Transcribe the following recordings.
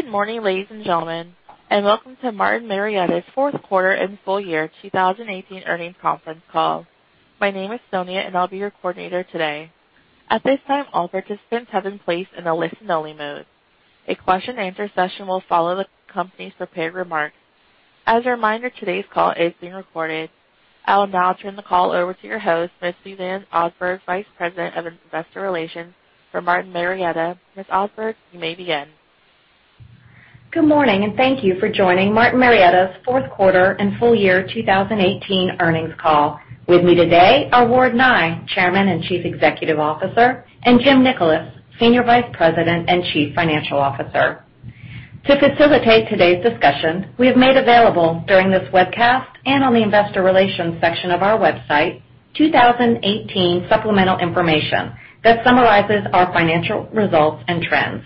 Good morning, ladies and gentlemen, and welcome to Martin Marietta Materials's fourth quarter and full-year 2018 earnings conference call. My name is Sonia, and I'll be your coordinator today. At this time, all participants have been placed in a listen-only mode. A question-and-answer session will follow the company's prepared remarks. As a reminder, today's call is being recorded. I will now turn the call over to your host, Ms. Suzanne Osberg, Vice President of Investor Relations for Martin Marietta Materials. Ms. Osberg, you may begin. Good morning, and thank you for joining Martin Marietta Materials's fourth quarter and full-year 2018 earnings call. With me today are Ward Nye, Chairman and Chief Executive Officer, and Jim Nickolas, Senior Vice President and Chief Financial Officer. To facilitate today's discussion, we have made available during this webcast, and on the investor relations section of our website, 2018 supplemental information that summarizes our financial results and trends.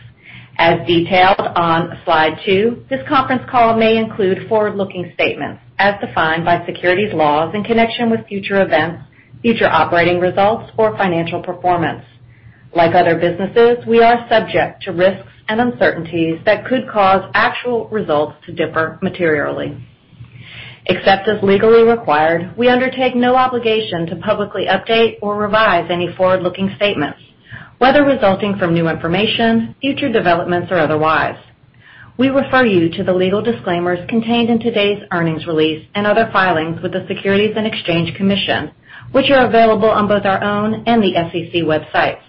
As detailed on Slide two, this conference call may include forward-looking statements as defined by securities laws in connection with future events, future operating results, or financial performance. Like other businesses, we are subject to risks and uncertainties that could cause actual results to differ materially. Except as legally required, we undertake no obligation to publicly update or revise any forward-looking statements, whether resulting from new information, future developments, or otherwise. We refer you to the legal disclaimers contained in today's earnings release and other filings with the Securities and Exchange Commission, which are available on both our own and the SEC websites.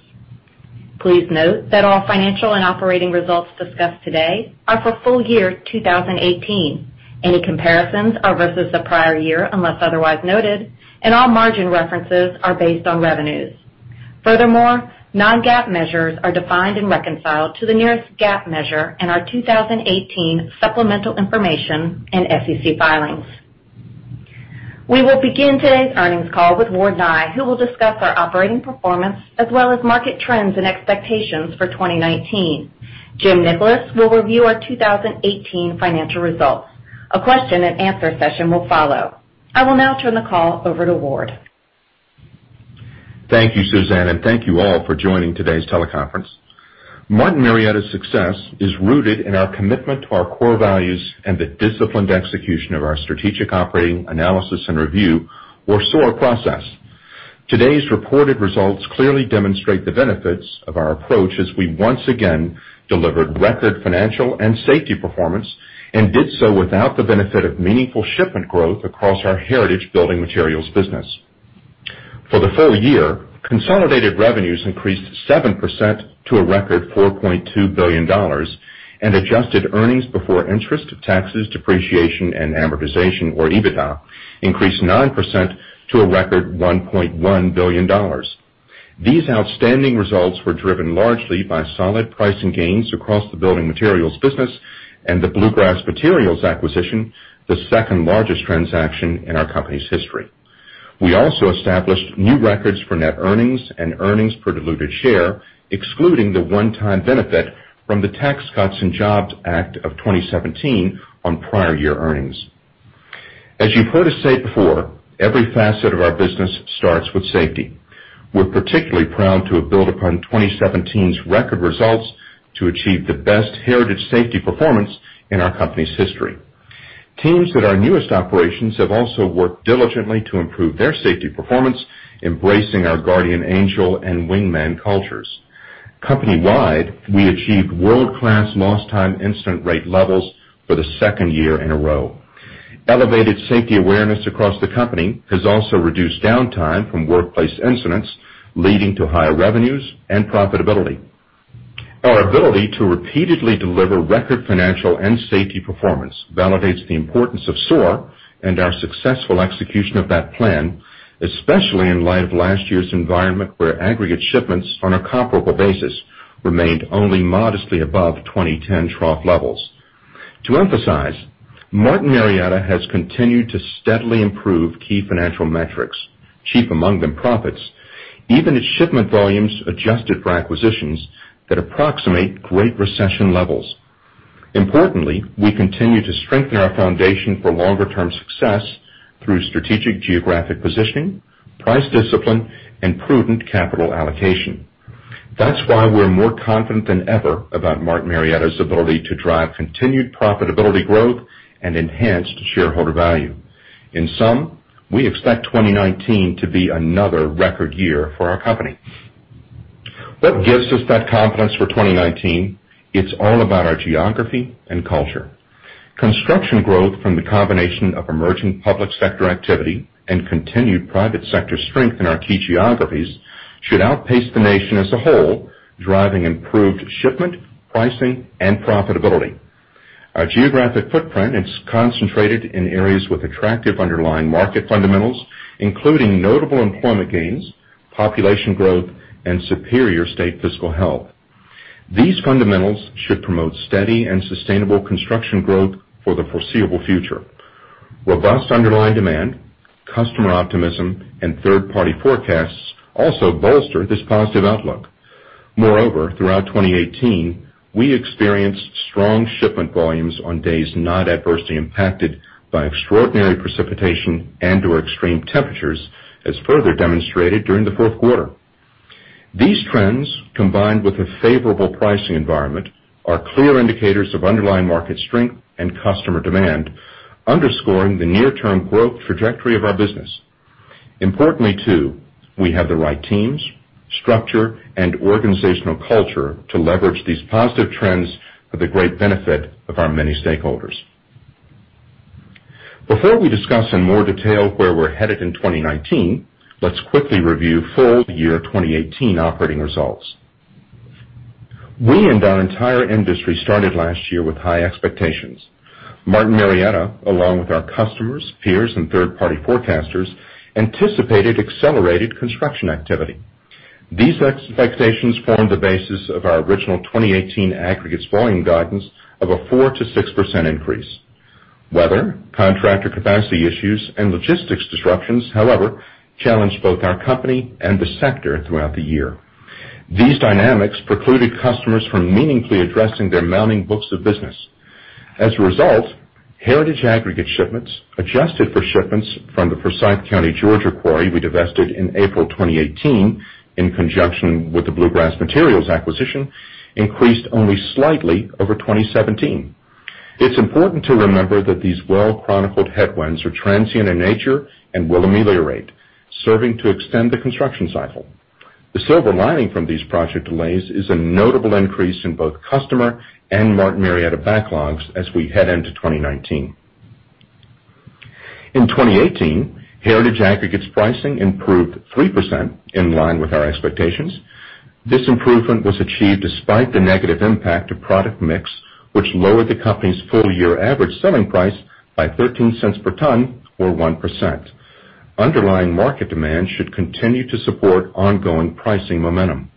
Please note that all financial and operating results discussed today are for full-year 2018. Any comparisons are versus the prior year, unless otherwise noted, and all margin references are based on revenues. Furthermore, non-GAAP measures are defined and reconciled to the nearest GAAP measure in our 2018 supplemental information and SEC filings. We will begin today's earnings call with Ward Nye, who will discuss our operating performance as well as market trends and expectations for 2019. Jim Nickolas will review our 2018 financial results. A question and answer session will follow. I will now turn the call over to Ward. Thank you, Suzanne, and thank you all for joining today's teleconference. Martin Marietta Materials's success is rooted in our commitment to our core values and the disciplined execution of our strategic operating analysis and review, or SOAR process. Today's reported results clearly demonstrate the benefits of our approach as we once again delivered record financial and safety performance, and did so without the benefit of meaningful shipment growth across our heritage building materials business. For the full-year, consolidated revenues increased 7% to a record $4.2 billion, and adjusted earnings before interest, taxes, depreciation, and amortization, or EBITDA, increased 9% to a record $1.1 billion. These outstanding results were driven largely by solid pricing gains across the building materials business and the Bluegrass Materials acquisition, the second-largest transaction in our company's history. We also established new records for net earnings and earnings per diluted share, excluding the one-time benefit from the Tax Cuts and Jobs Act of 2017 on prior year earnings. As you've heard us say before, every facet of our business starts with safety. We're particularly proud to have built upon 2017's record results to achieve the best heritage safety performance in our company's history. Teams at our newest operations have also worked diligently to improve their safety performance, embracing our Guardian Angel and wingman cultures. Company-wide, we achieved world-class Lost Time Incident Rate levels for the second year in a row. Elevated safety awareness across the company has also reduced downtime from workplace incidents, leading to higher revenues and profitability. Our ability to repeatedly deliver record financial and safety performance validates the importance of SOAR and our successful execution of that plan, especially in light of last year's environment where aggregate shipments on a comparable basis remained only modestly above 2010 trough levels. To emphasize, Martin Marietta has continued to steadily improve key financial metrics, chief among them profits, even as shipment volumes adjusted for acquisitions that approximate Great Recession levels. Importantly, we continue to strengthen our foundation for longer-term success through strategic geographic positioning, price discipline, and prudent capital allocation. That's why we're more confident than ever about Martin Marietta's ability to drive continued profitability growth and enhanced shareholder value. In sum, we expect 2019 to be another record year for our company. What gives us that confidence for 2019? It's all about our geography and culture. Construction growth from the combination of emerging public sector activity and continued private sector strength in our key geographies should outpace the nation as a whole, driving improved shipment, pricing, and profitability. Our geographic footprint is concentrated in areas with attractive underlying market fundamentals, including notable employment gains, population growth, and superior state fiscal health. These fundamentals should promote steady and sustainable construction growth for the foreseeable future. Robust underlying demand, customer optimism, and third-party forecasts also bolster this positive outlook. Moreover, throughout 2018, we experienced strong shipment volumes on days not adversely impacted by extraordinary precipitation and/or extreme temperatures, as further demonstrated during the fourth quarter. These trends, combined with a favorable pricing environment, are clear indicators of underlying market strength and customer demand, underscoring the near-term growth trajectory of our business. Importantly too, we have the right teams, structure, and organizational culture to leverage these positive trends for the great benefit of our many stakeholders. Before we discuss in more detail where we're headed in 2019, let's quickly review full-year 2018 operating results. We and our entire industry started last year with high expectations. Martin Marietta, along with our customers, peers, and third-party forecasters, anticipated accelerated construction activity. These expectations formed the basis of our original 2018 aggregates volume guidance of a 4%-6% increase. Weather, contractor capacity issues, and logistics disruptions, however, challenged both our company and the sector throughout the year. These dynamics precluded customers from meaningfully addressing their mounting books of business. As a result, Heritage Aggregate shipments, adjusted for shipments from the Forsyth County, Georgia quarry we divested in April 2018, in conjunction with the Bluegrass Materials acquisition, increased only slightly over 2017. It's important to remember that these well-chronicled headwinds are transient in nature and will ameliorate, serving to extend the construction cycle. The silver lining from these project delays is a notable increase in both customer and Martin Marietta backlogs as we head into 2019. In 2018, Heritage Aggregates pricing improved 3%, in line with our expectations. This improvement was achieved despite the negative impact of product mix, which lowered the company's full-year average selling price by $0.13 per ton, or 1%. Underlying market demand should continue to support ongoing pricing momentum.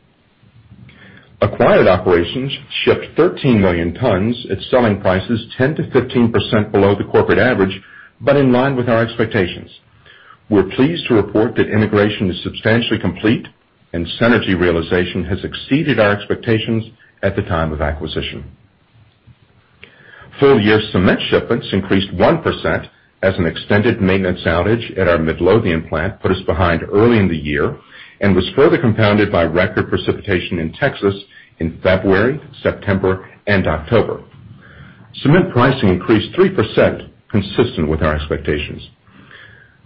Acquired operations shipped 13 million tons at selling prices 10%-15% below the corporate average, but in line with our expectations. We're pleased to report that integration is substantially complete and synergy realization has exceeded our expectations at the time of acquisition. Full-year cement shipments increased 1% as an extended maintenance outage at our Midlothian plant put us behind early in the year and was further compounded by record precipitation in Texas in February, September, and October. Cement pricing increased 3%, consistent with our expectations.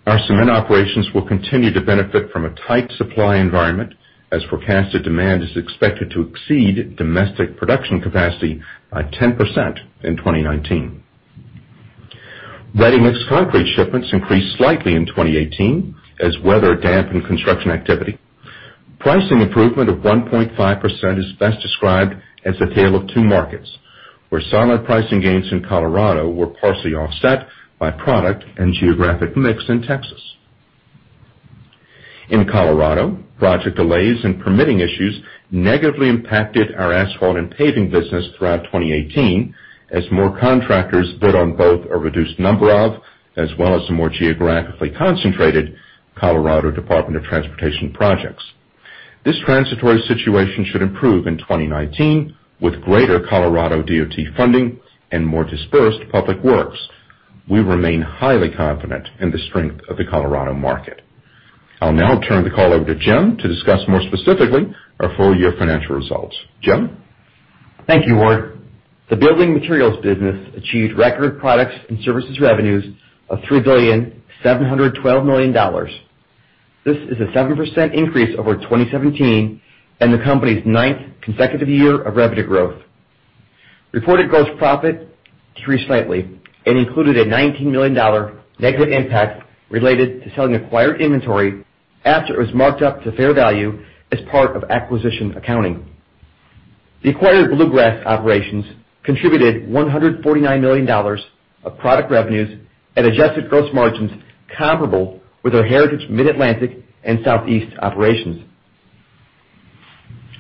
Our cement operations will continue to benefit from a tight supply environment, as forecasted demand is expected to exceed domestic production capacity by 10% in 2019. Ready-mix concrete shipments increased slightly in 2018 as weather dampened construction activity. Pricing improvement of 1.5% is best described as a tale of two markets, where solid pricing gains in Colorado were partially offset by product and geographic mix in Texas. In Colorado, project delays and permitting issues negatively impacted our asphalt and paving business throughout 2018 as more contractors bid on both a reduced number of, as well as a more geographically concentrated Colorado Department of Transportation projects. This transitory situation should improve in 2019 with greater Colorado DOT funding and more dispersed public works. We remain highly confident in the strength of the Colorado market. I'll now turn the call over to Jim to discuss more specifically our full-year financial results. Jim? Thank you, Ward. The building materials business achieved record products and services revenues of $3.712 billion. This is a 7% increase over 2017 and the company's ninth consecutive year of revenue growth. Reported gross profit decreased slightly and included a $19 million negative impact related to selling acquired inventory after it was marked up to fair value as part of acquisition accounting. The acquired Bluegrass operations contributed $149 million of product revenues at adjusted gross margins comparable with our Heritage Mid-Atlantic and Southeast operations.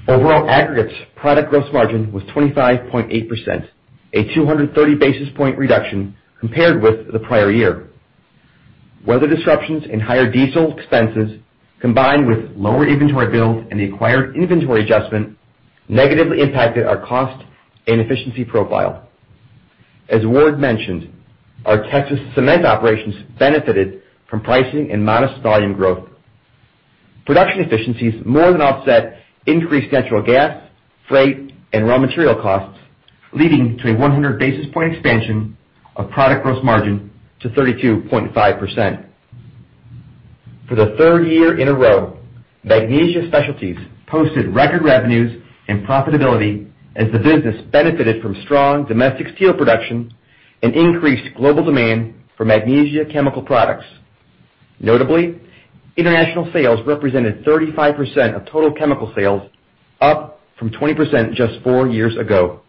Overall aggregates product gross margin was 25.8%, a 230 basis point reduction compared with the prior year. Weather disruptions and higher diesel expenses, combined with lower inventory bills and the acquired inventory adjustment, negatively impacted our cost and efficiency profile. As Ward mentioned, our Texas cement operations benefited from pricing and modest volume growth. Production efficiencies more than offset increased natural gas, freight, and raw material costs, leading to a 100 basis point expansion of product gross margin to 32.5%. For the third year in a row, Magnesia Specialties posted record revenues and profitability as the business benefited from strong domestic steel production and increased global demand for magnesia chemical products. Notably, international sales represented 35% of total chemical sales, up from 20% just four years ago.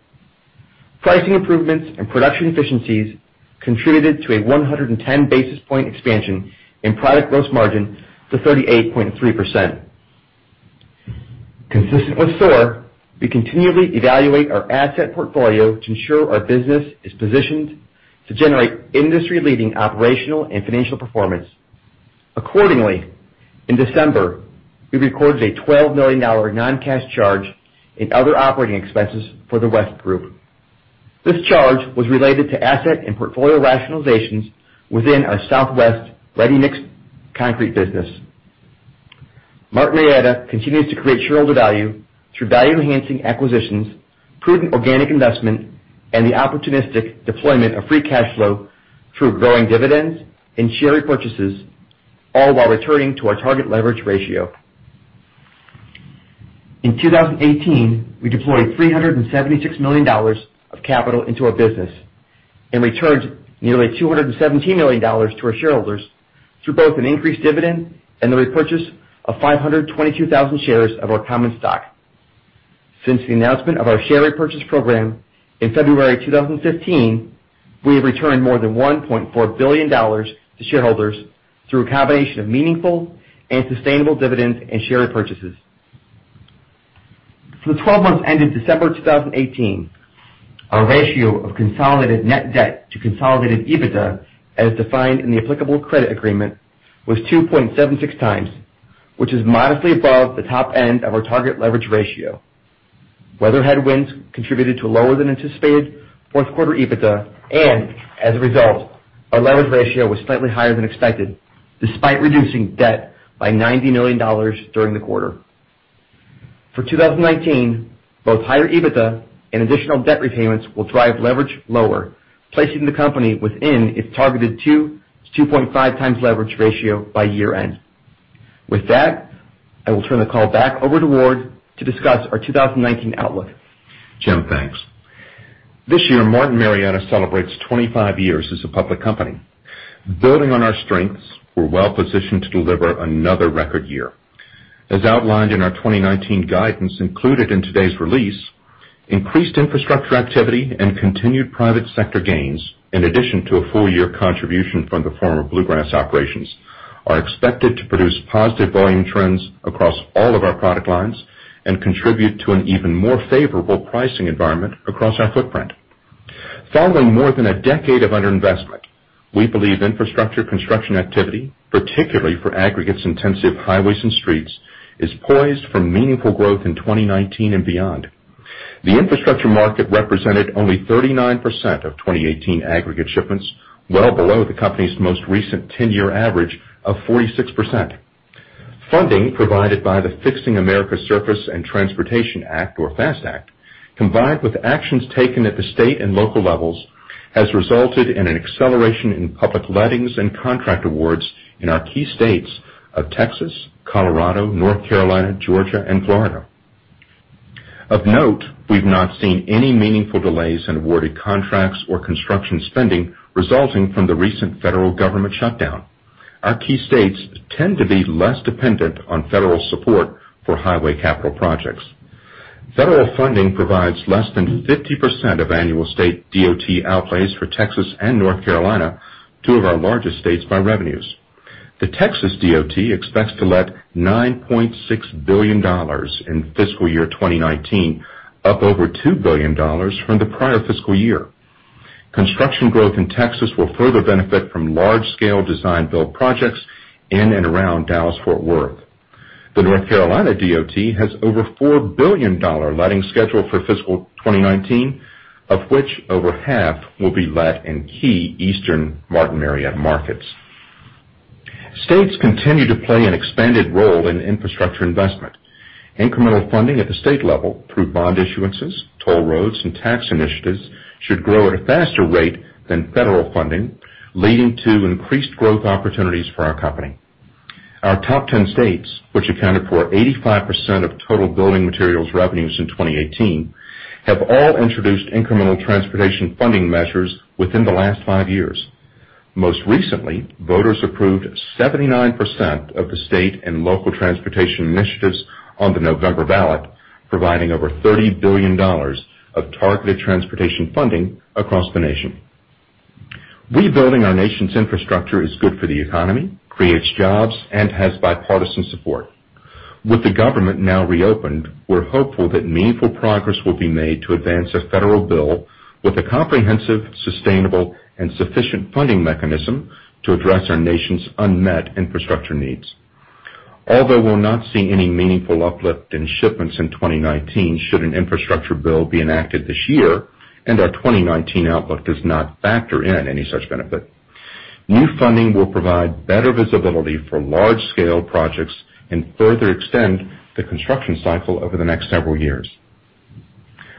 Pricing improvements and production efficiencies contributed to a 110 basis point expansion in product gross margin to 38.3%. Consistent with SOAR, we continually evaluate our asset portfolio to ensure our business is positioned to generate industry-leading operational and financial performance. Accordingly, in December, we recorded a $12 million non-cash charge in other operating expenses for the West Group. This charge was related to asset and portfolio rationalizations within our Southwest ready-mix concrete business. Martin Marietta continues to create shareholder value through value-enhancing acquisitions, prudent organic investment, and the opportunistic deployment of free cash flow through growing dividends and share repurchases, all while returning to our target leverage ratio. In 2018, we deployed $376 million of capital into our business and returned nearly $217 million to our shareholders through both an increased dividend and the repurchase of 522,000 shares of our common stock. Since the announcement of our share repurchase program in February 2015, we have returned more than $1.4 billion to shareholders through a combination of meaningful and sustainable dividends and share repurchases. For the 12 months ended December 2018, our ratio of consolidated net debt to consolidated EBITDA, as defined in the applicable credit agreement, was 2.76x, which is modestly above the top end of our target leverage ratio. Weather headwinds contributed to lower than anticipated fourth quarter EBITDA, and as a result, our leverage ratio was slightly higher than expected, despite reducing debt by $90 million during the quarter. For 2019, both higher EBITDA and additional debt repayments will drive leverage lower, placing the company within its targeted 2x-2.5x leverage ratio by year-end. With that, I will turn the call back over to Ward to discuss our 2019 outlook. Jim, thanks. This year, Martin Marietta celebrates 25 years as a public company. Building on our strengths, we're well-positioned to deliver another record year. As outlined in our 2019 guidance included in today's release, increased infrastructure activity and continued private sector gains, in addition to a full-year contribution from the former Bluegrass operations, are expected to produce positive volume trends across all of our product lines and contribute to an even more favorable pricing environment across our footprint. Following more than a decade of underinvestment, we believe infrastructure construction activity, particularly for aggregates intensive highways and streets, is poised for meaningful growth in 2019 and beyond. The infrastructure market represented only 39% of 2018 aggregate shipments, well below the company's most recent 10-year average of 46%. Funding provided by the Fixing America's Surface Transportation Act, or FAST Act, combined with actions taken at the state and local levels, has resulted in an acceleration in public lettings and contract awards in our key states of Texas, Colorado, North Carolina, Georgia, and Florida. Of note, we've not seen any meaningful delays in awarded contracts or construction spending resulting from the recent federal government shutdown. Our key states tend to be less dependent on federal support for highway capital projects. Federal funding provides less than 50% of annual state DOT outlays for Texas and North Carolina, two of our largest states by revenues. The Texas DOT expects to let $9.6 billion in fiscal year 2019, up over $2 billion from the prior fiscal year. Construction growth in Texas will further benefit from large-scale design build projects in and around Dallas-Fort Worth. The North Carolina DOT has over $4 billion letting scheduled for fiscal 2019, of which over half will be let in key eastern Martin Marietta markets. States continue to play an expanded role in infrastructure investment. Incremental funding at the state level through bond issuances, toll roads, and tax initiatives should grow at a faster rate than federal funding, leading to increased growth opportunities for our company. Our top 10 states, which accounted for 85% of total building materials revenues in 2018, have all introduced incremental transportation funding measures within the last five years. Most recently, voters approved 79% of the state and local transportation initiatives on the November ballot, providing over $30 billion of targeted transportation funding across the nation. Rebuilding our nation's infrastructure is good for the economy, creates jobs, and has bipartisan support. With the government now reopened, we're hopeful that meaningful progress will be made to advance a federal bill with a comprehensive, sustainable, and sufficient funding mechanism to address our nation's unmet infrastructure needs. Although we'll not see any meaningful uplift in shipments in 2019 should an infrastructure bill be enacted this year, and our 2019 outlook does not factor in any such benefit, new funding will provide better visibility for large-scale projects and further extend the construction cycle over the next several years.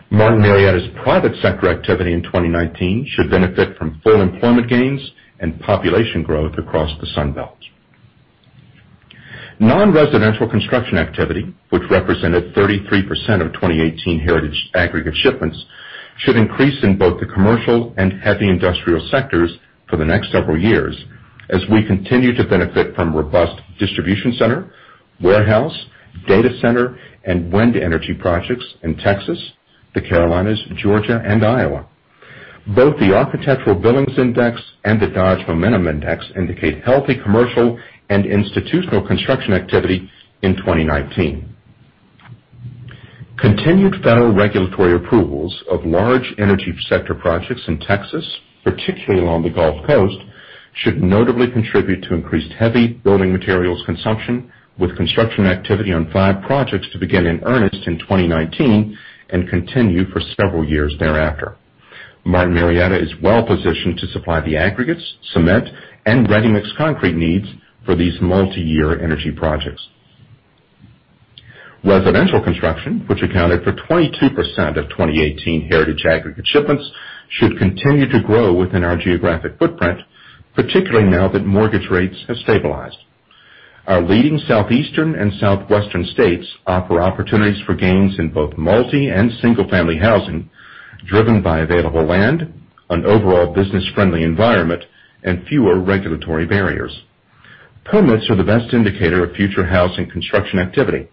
Martin Marietta's private sector activity in 2019 should benefit from full employment gains and population growth across the Sun Belt. Non-residential construction activity, which represented 33% of 2018 heritage aggregate shipments, should increase in both the commercial and heavy industrial sectors for the next several years as we continue to benefit from robust distribution center, warehouse, data center, and wind energy projects in Texas, the Carolinas, Georgia, and Iowa. Both the Architectural Billings Index and the Dodge Momentum Index indicate healthy commercial and institutional construction activity in 2019. Continued federal regulatory approvals of large energy sector projects in Texas, particularly along the Gulf Coast should notably contribute to increased heavy building materials consumption with construction activity on five projects to begin in earnest in 2019 and continue for several years thereafter. Martin Marietta is well-positioned to supply the aggregates, cement, and ready-mix concrete needs for these multi-year energy projects. Residential construction, which accounted for 22% of 2018 heritage aggregate shipments, should continue to grow within our geographic footprint, particularly now that mortgage rates have stabilized. Our leading Southeastern and Southwestern states offer opportunities for gains in both multi and single-family housing, driven by available land, an overall business-friendly environment, and fewer regulatory barriers. Permits are the best indicator of future housing construction activity.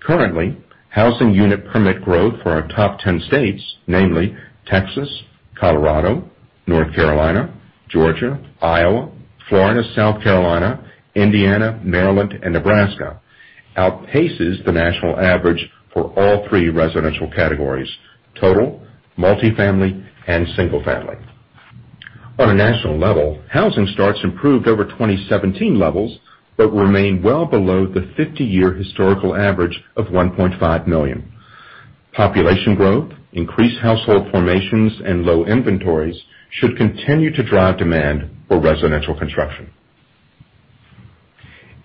Currently, housing unit permit growth for our top 10 states, namely Texas, Colorado, North Carolina, Georgia, Iowa, Florida, South Carolina, Indiana, Maryland, and Nebraska, outpaces the national average for all three residential categories, total, multifamily, and single family. On a national level, housing starts improved over 2017 levels but remain well below the 50-year historical average of 1.5 million. Population growth, increased household formations, and low inventories should continue to drive demand for residential construction.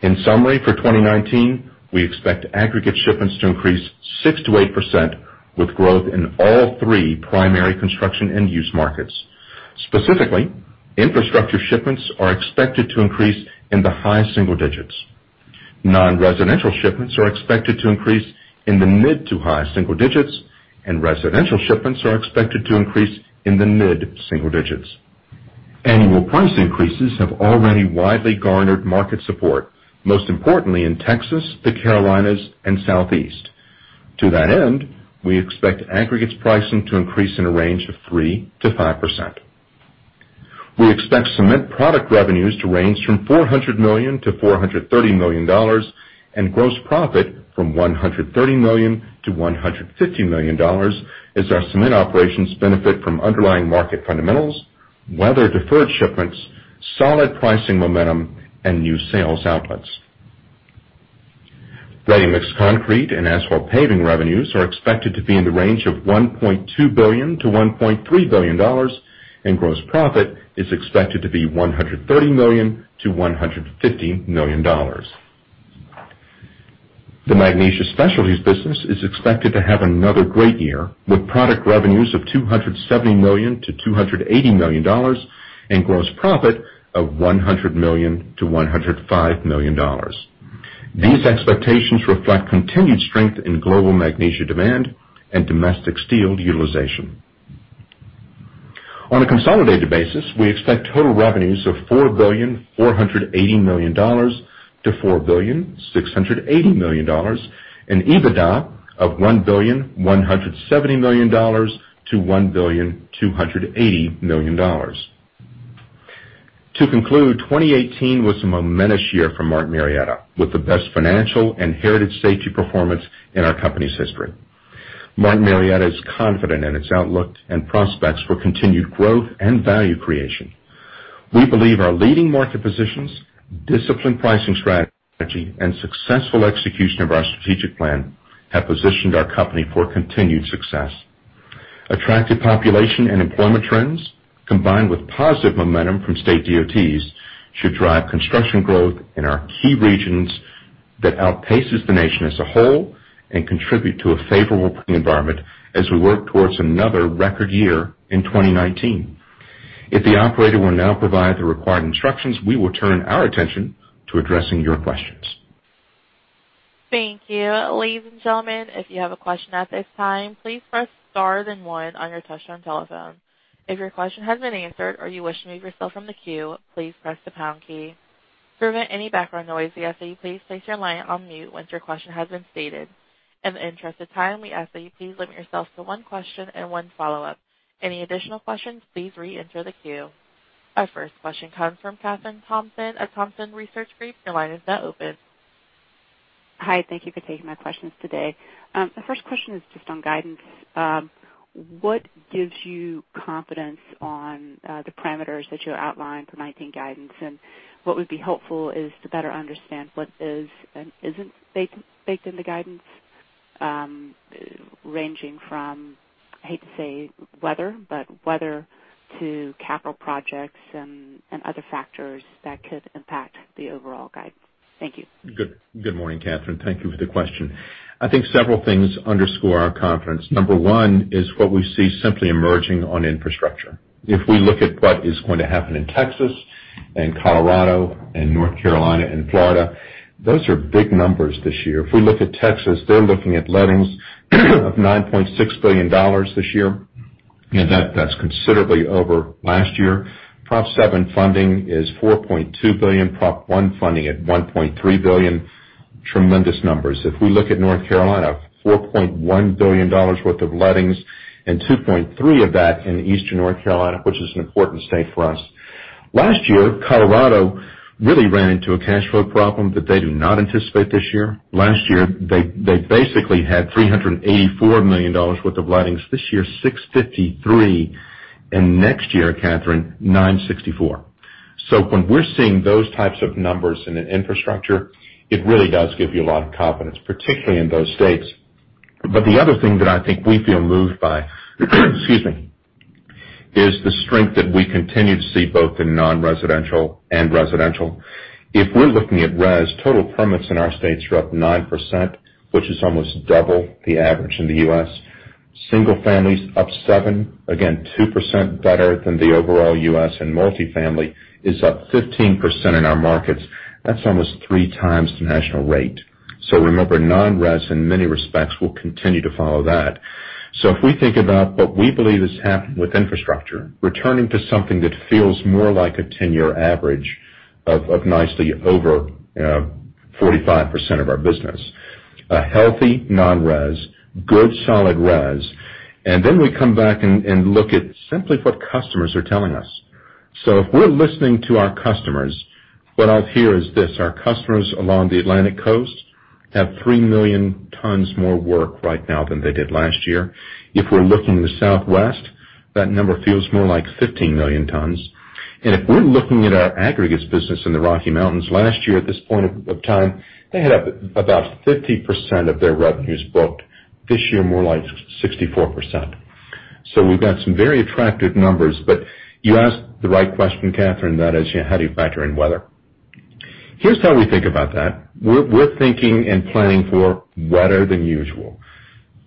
In summary, for 2019, we expect aggregate shipments to increase 6%-8%, with growth in all three primary construction end-use markets. Specifically, infrastructure shipments are expected to increase in the high single digits. Non-residential shipments are expected to increase in the mid to high single digits, and residential shipments are expected to increase in the mid-single digits. Annual price increases have already widely garnered market support, most importantly in Texas, the Carolinas, and Southeast. To that end, we expect aggregates pricing to increase in a range of 3%-5%. We expect cement product revenues to range from $400 million-$430 million and gross profit from $130 million-$150 million as our cement operations benefit from underlying market fundamentals, weather-deferred shipments, solid pricing momentum, and new sales outlets. Ready-mix concrete and asphalt paving revenues are expected to be in the range of $1.2 billion-$1.3 billion, and gross profit is expected to be $130 million-$150 million. The Magnesia Specialties business is expected to have another great year with product revenues of $270 million-$280 million and gross profit of $100 million-$105 million. These expectations reflect continued strength in global magnesia demand and domestic steel utilization. On a consolidated basis, we expect total revenues of $4.48 billion-$4.68 billion, and EBITDA of $1.17 billion-$1.28 billion. To conclude, 2018 was a momentous year for Martin Marietta, with the best financial and heritage safety performance in our company's history. Martin Marietta is confident in its outlook and prospects for continued growth and value creation. We believe our leading market positions, disciplined pricing strategy, and successful execution of our strategic plan have positioned our company for continued success. Attractive population and employment trends, combined with positive momentum from state DOTs, should drive construction growth in our key regions that outpaces the nation as a whole and contribute to a favorable environment as we work towards another record year in 2019. If the operator will now provide the required instructions, we will turn our attention to addressing your questions. Thank you. Ladies and gentlemen, if you have a question at this time, please press star then one on your touchtone telephone. If your question has been answered or you wish to remove yourself from the queue, please press the pound key. To prevent any background noise, we ask that you please place your line on mute once your question has been stated. In the interest of time, we ask that you please limit yourself to one question and one follow-up. Any additional questions, please reenter the queue. Our first question comes from Kathryn Thompson of Thompson Research Group. Your line is now open. Hi. Thank you for taking my questions today. The first question is just on guidance. What gives you confidence on the parameters that you outlined for 2019 guidance? What would be helpful is to better understand what is and isn't baked in the guidance, ranging from, I hate to say weather, but weather to capital projects and other factors that could impact the overall guide. Thank you. Good morning, Kathryn. Thank you for the question. I think several things underscore our confidence. Number one is what we see simply emerging on infrastructure. If we look at what is going to happen in Texas and Colorado and North Carolina and Florida, those are big numbers this year. If we look at Texas, they're looking at lettings of $9.6 billion this year. That's considerably over last year. Proposition 7 funding is $4.2 billion, Proposition 1 funding at $1.3 billion. Tremendous numbers. If we look at North Carolina, $4.1 billion worth of lettings and $2.3 billion of that in Eastern North Carolina, which is an important state for us. Last year, Colorado really ran into a cash flow problem that they do not anticipate this year. Last year, they basically had $384 million worth of lettings. This year, $653 million. Next year, Kathryn, $964 million. When we're seeing those types of numbers in an infrastructure, it really does give you a lot of confidence, particularly in those states. The other thing that I think we feel moved by, excuse me, is the strength that we continue to see both in non-residential and residential. If we're looking at res, total permits in our states are up 9%, which is almost double the average in the U.S. Single families up 7%, again, 2% better than the overall U.S., and multi-family is up 15% in our markets. That's almost 3x the national rate. Remember, non-res, in many respects, will continue to follow that. If we think about what we believe is happening with infrastructure, returning to something that feels more like a 10-year average of nicely over 45% of our business. A healthy non-res, good solid res, we come back and look at simply what customers are telling us. If we're listening to our customers, what I'll hear is this: Our customers along the Atlantic Coast have 3 million tons more work right now than they did last year. If we're looking in the Southwest, that number feels more like 15 million tons. If we're looking at our aggregates business in the Rocky Mountains, last year at this point of time, they had about 50% of their revenues booked. This year, more like 64%. We've got some very attractive numbers. You asked the right question, Kathryn, that is, how do you factor in weather? Here's how we think about that. We're thinking and planning for wetter than usual.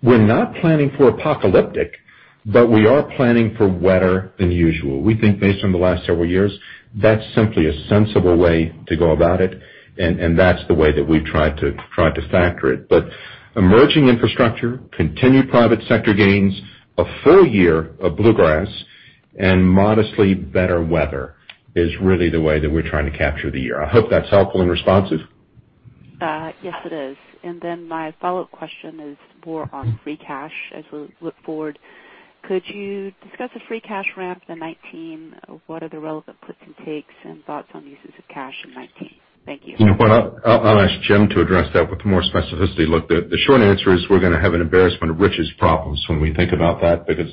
We're not planning for apocalyptic, we are planning for wetter than usual. We think based on the last several years, that's simply a sensible way to go about it, that's the way that we've tried to factor it. Emerging infrastructure, continued private sector gains, a full-year of Bluegrass, and modestly better weather is really the way that we're trying to capture the year. I hope that's helpful and responsive. Yes, it is. My follow-up question is more on free cash as we look forward. Could you discuss the free cash ramp in 2019? What are the relevant puts and takes and thoughts on the uses of cash in 2019? Thank you. You know what, I'll ask Jim to address that with more specificity. Look, the short answer is we're going to have an embarrassment of riches problems when we think about that, because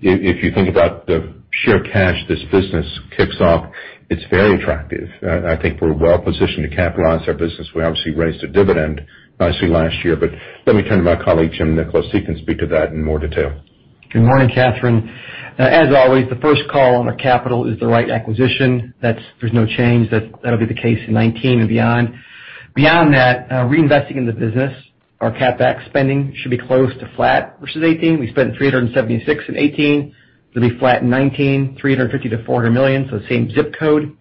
if you think about the sheer cash this business kicks off, it's very attractive. I think we're well-positioned to capitalize our business. We obviously raised a dividend nicely last year. Let me turn to my colleague, Jim Nickolas. He can speak to that in more detail. Good morning, Kathryn Thompson. As always, the first call on our capital is the right acquisition. There's no change. That'll be the case in 2019 and beyond. Beyond that, reinvesting in the business, our CapEx spending should be close to flat versus 2018. We spent $376 in 2018. It'll be flat in 2019, $350 million-$400 million, so the same zip code.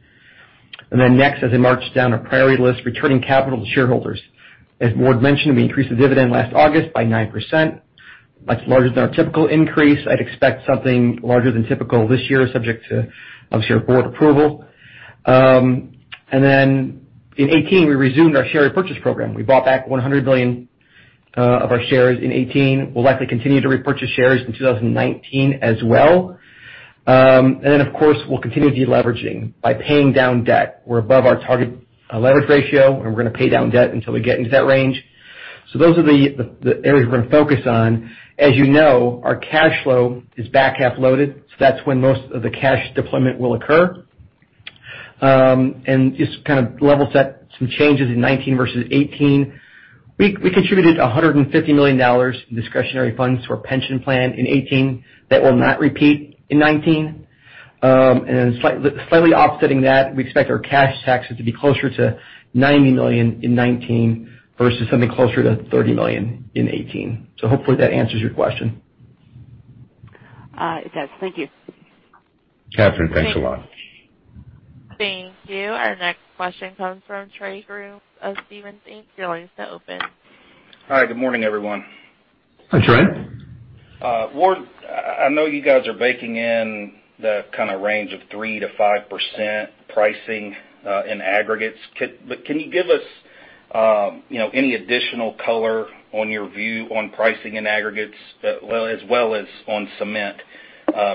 Next, as I march down our priority list, returning capital to shareholders. As Ward mentioned, we increased the dividend last August by 9%. Much larger than our typical increase. I'd expect something larger than typical this year, subject to, obviously, our board approval. In 2018, we resumed our share repurchase program. We bought back $100 million of our shares in 2018. We'll likely continue to repurchase shares in 2019 as well. Of course, we'll continue deleveraging by paying down debt. We're above our target leverage ratio. We're going to pay down debt until we get into that range. Those are the areas we're going to focus on. As you know, our cash flow is back-half loaded. That's when most of the cash deployment will occur. Just to kind of level set some changes in 2019 versus 2018, we contributed $150 million in discretionary funds to our pension plan in 2018. That will not repeat in 2019. Slightly offsetting that, we expect our cash taxes to be closer to $90 million in 2019 versus something closer to $30 million in 2018. Hopefully that answers your question. It does. Thank you. Kathryn Thompson, thanks a lot. Thank you. Our next question comes from Trey Grooms of Stephens Inc. Your line is now open. Hi, good morning, everyone. Hi, Trey. Ward, I know you guys are baking in the kind of range of 3%-5% pricing in aggregates. Can you give us any additional color on your view on pricing in aggregates, as well as on cement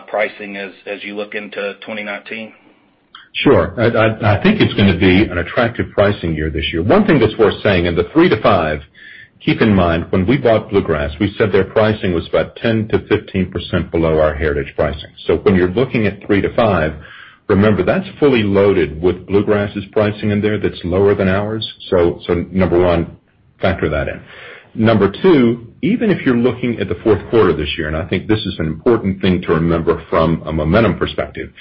pricing as you look into 2019? Sure. I think it's going to be an attractive pricing year this year. One thing that's worth saying, in the 3%-5%, keep in mind, when we bought Bluegrass, we said their pricing was about 10%-15% below our Heritage pricing. When you're looking at 3%-5%, remember, that's fully loaded with Bluegrass's pricing in there that's lower than ours. Number one, factor that in. Number two, even if you're looking at the fourth quarter this year, and I think this is an important thing to remember from a momentum perspective,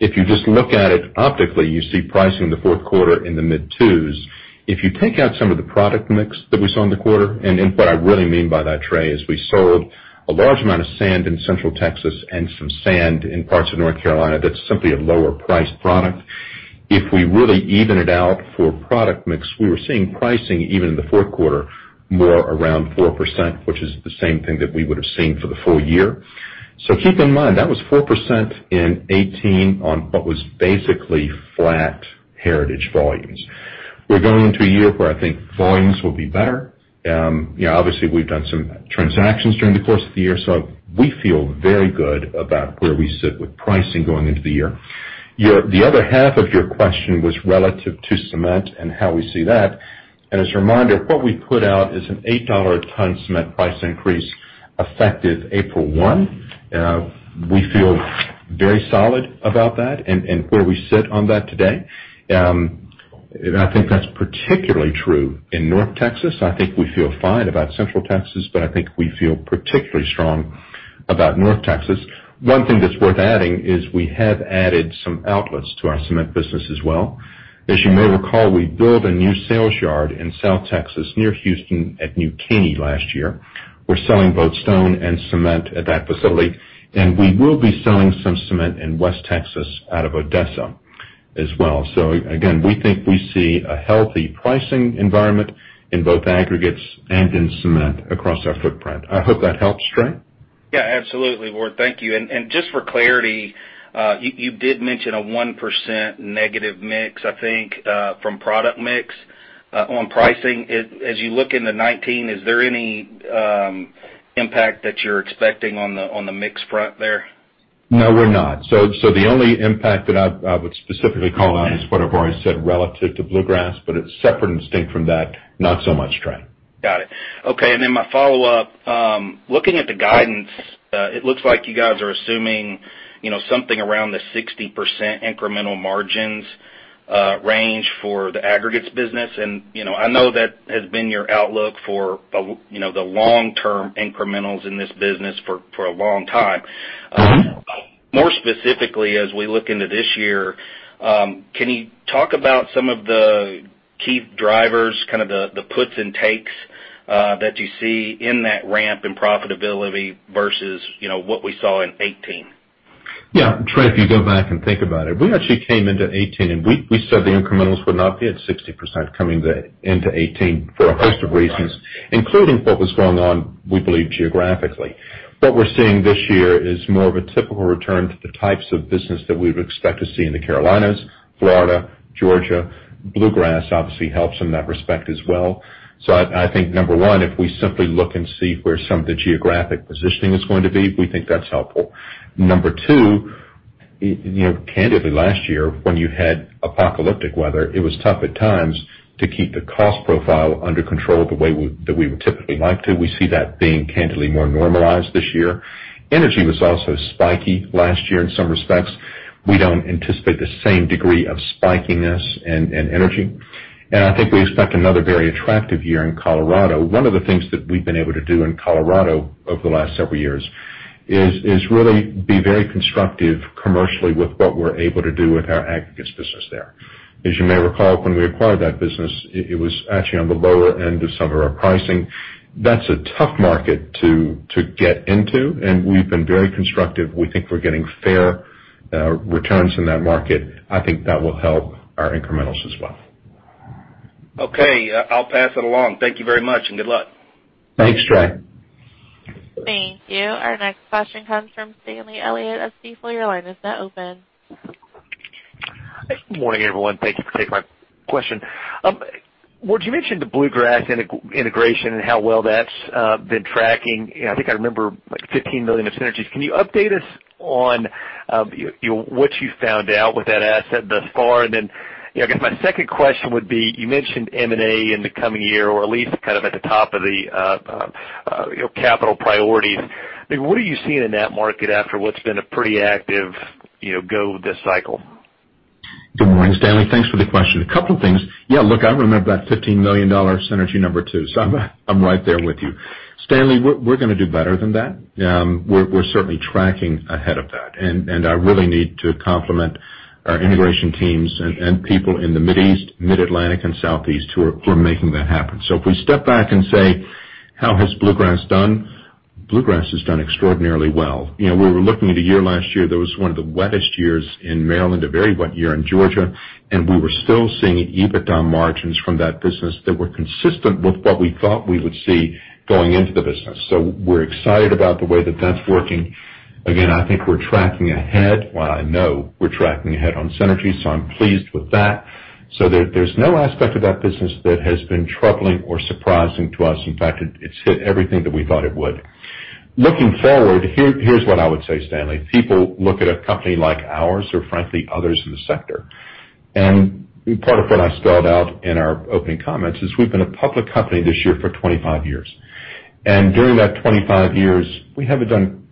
if you just look at it optically, you see pricing in the fourth quarter in the mid-twos. If you take out some of the product mix that we saw in the quarter, and what I really mean by that, Trey, is we sold a large amount of sand in Central Texas and some sand in parts of North Carolina that's simply a lower priced product. If we really even it out for product mix, we were seeing pricing even in the fourth quarter more around 4%, which is the same thing that we would have seen for the full-year. Keep in mind, that was 4% in 2018 on what was basically flat Heritage volumes. We're going into a year where I think volumes will be better. Obviously, we've done some transactions during the course of the year, so we feel very good about where we sit with pricing going into the year. The other half of your question was relative to cement and how we see that. As a reminder, what we put out is an $8 a ton cement price increase effective April 1. We feel very solid about that and where we sit on that today. I think that's particularly true in North Texas. I think we feel fine about Central Texas, but I think we feel particularly strong about North Texas. One thing that's worth adding is we have added some outlets to our cement business as well. As you may recall, we built a new sales yard in South Texas near Houston at New Caney last year. We're selling both stone and cement at that facility, and we will be selling some cement in West Texas out of Odessa as well. Again, we think we see a healthy pricing environment in both aggregates and in cement across our footprint. I hope that helps, Trey. Yeah, absolutely, Ward. Thank you. Just for clarity, you did mention a -1% mix, I think, from product mix on pricing. As you look into 2019, is there any impact that you're expecting on the mix front there? No, we're not. The only impact that I would specifically call out is what I've already said relative to Bluegrass, but it's separate and distinct from that, not so much, Trey. Got it. Okay, my follow-up. Looking at the guidance, it looks like you guys are assuming something around the 60% incremental margins range for the aggregates business. I know that has been your outlook for the long-term incrementals in this business for a long time. More specifically, as we look into this year, can you talk about some of the key drivers, kind of the puts and takes that you see in that ramp in profitability versus what we saw in 2018? Yeah. Trey, if you go back and think about it, we actually came into 2018, we said the incrementals would not be at 60% coming into 2018 for a host of reasons, including what was going on, we believe, geographically. What we're seeing this year is more of a typical return to the types of business that we would expect to see in the Carolinas, Florida, Georgia. Bluegrass obviously helps in that respect as well. I think, number one, if we simply look and see where some of the geographic positioning is going to be, we think that's helpful. Number two, candidly, last year, when you had apocalyptic weather, it was tough at times to keep the cost profile under control the way that we would typically like to. We see that being candidly more normalized this year. Energy was also spiky last year in some respects. We don't anticipate the same degree of spikiness in energy. I think we expect another very attractive year in Colorado. One of the things that we've been able to do in Colorado over the last several years is really be very constructive commercially with what we're able to do with our aggregates business there. As you may recall, when we acquired that business, it was actually on the lower end of some of our pricing. That's a tough market to get into, and we've been very constructive. We think we're getting fair returns in that market. I think that will help our incrementals as well. Okay. I'll pass it along. Thank you very much, and good luck. Thanks, Trey. Thank you. Our next question comes from Stanley Elliott of Stifel. Your line is now open. Good morning, everyone. Thank you for taking my question. Ward, you mentioned the Bluegrass integration and how well that's been tracking. I think I remember $15 million of synergies. Can you update us on what you found out with that asset thus far? I guess my second question would be, you mentioned M&A in the coming year or at least kind of at the top of the capital priorities. What are you seeing in that market after what's been a pretty active go this cycle? Good morning, Stanley. Thanks for the question. A couple things. Look, I remember that $15 million synergy number too, so I'm right there with you. Stanley, we're gonna do better than that. We're certainly tracking ahead of that, and I really need to compliment our integration teams and people in the Mideast, Mid-Atlantic, and Southeast who are making that happen. If we step back and say, how has Bluegrass done? Bluegrass has done extraordinarily well. We were looking at a year last year that was one of the wettest years in Maryland, a very wet year in Georgia, and we were still seeing EBITDA margins from that business that were consistent with what we thought we would see going into the business. We're excited about the way that that's working. Again, I think we're tracking ahead. I know we're tracking ahead on synergies, so I'm pleased with that. There's no aspect of that business that has been troubling or surprising to us. In fact, it's hit everything that we thought it would. Looking forward, here's what I would say, Stanley. People look at a company like ours or, frankly, others in the sector, and part of what I spelled out in our opening comments is we've been a public company this year for 25 years. During that 25 years, we haven't done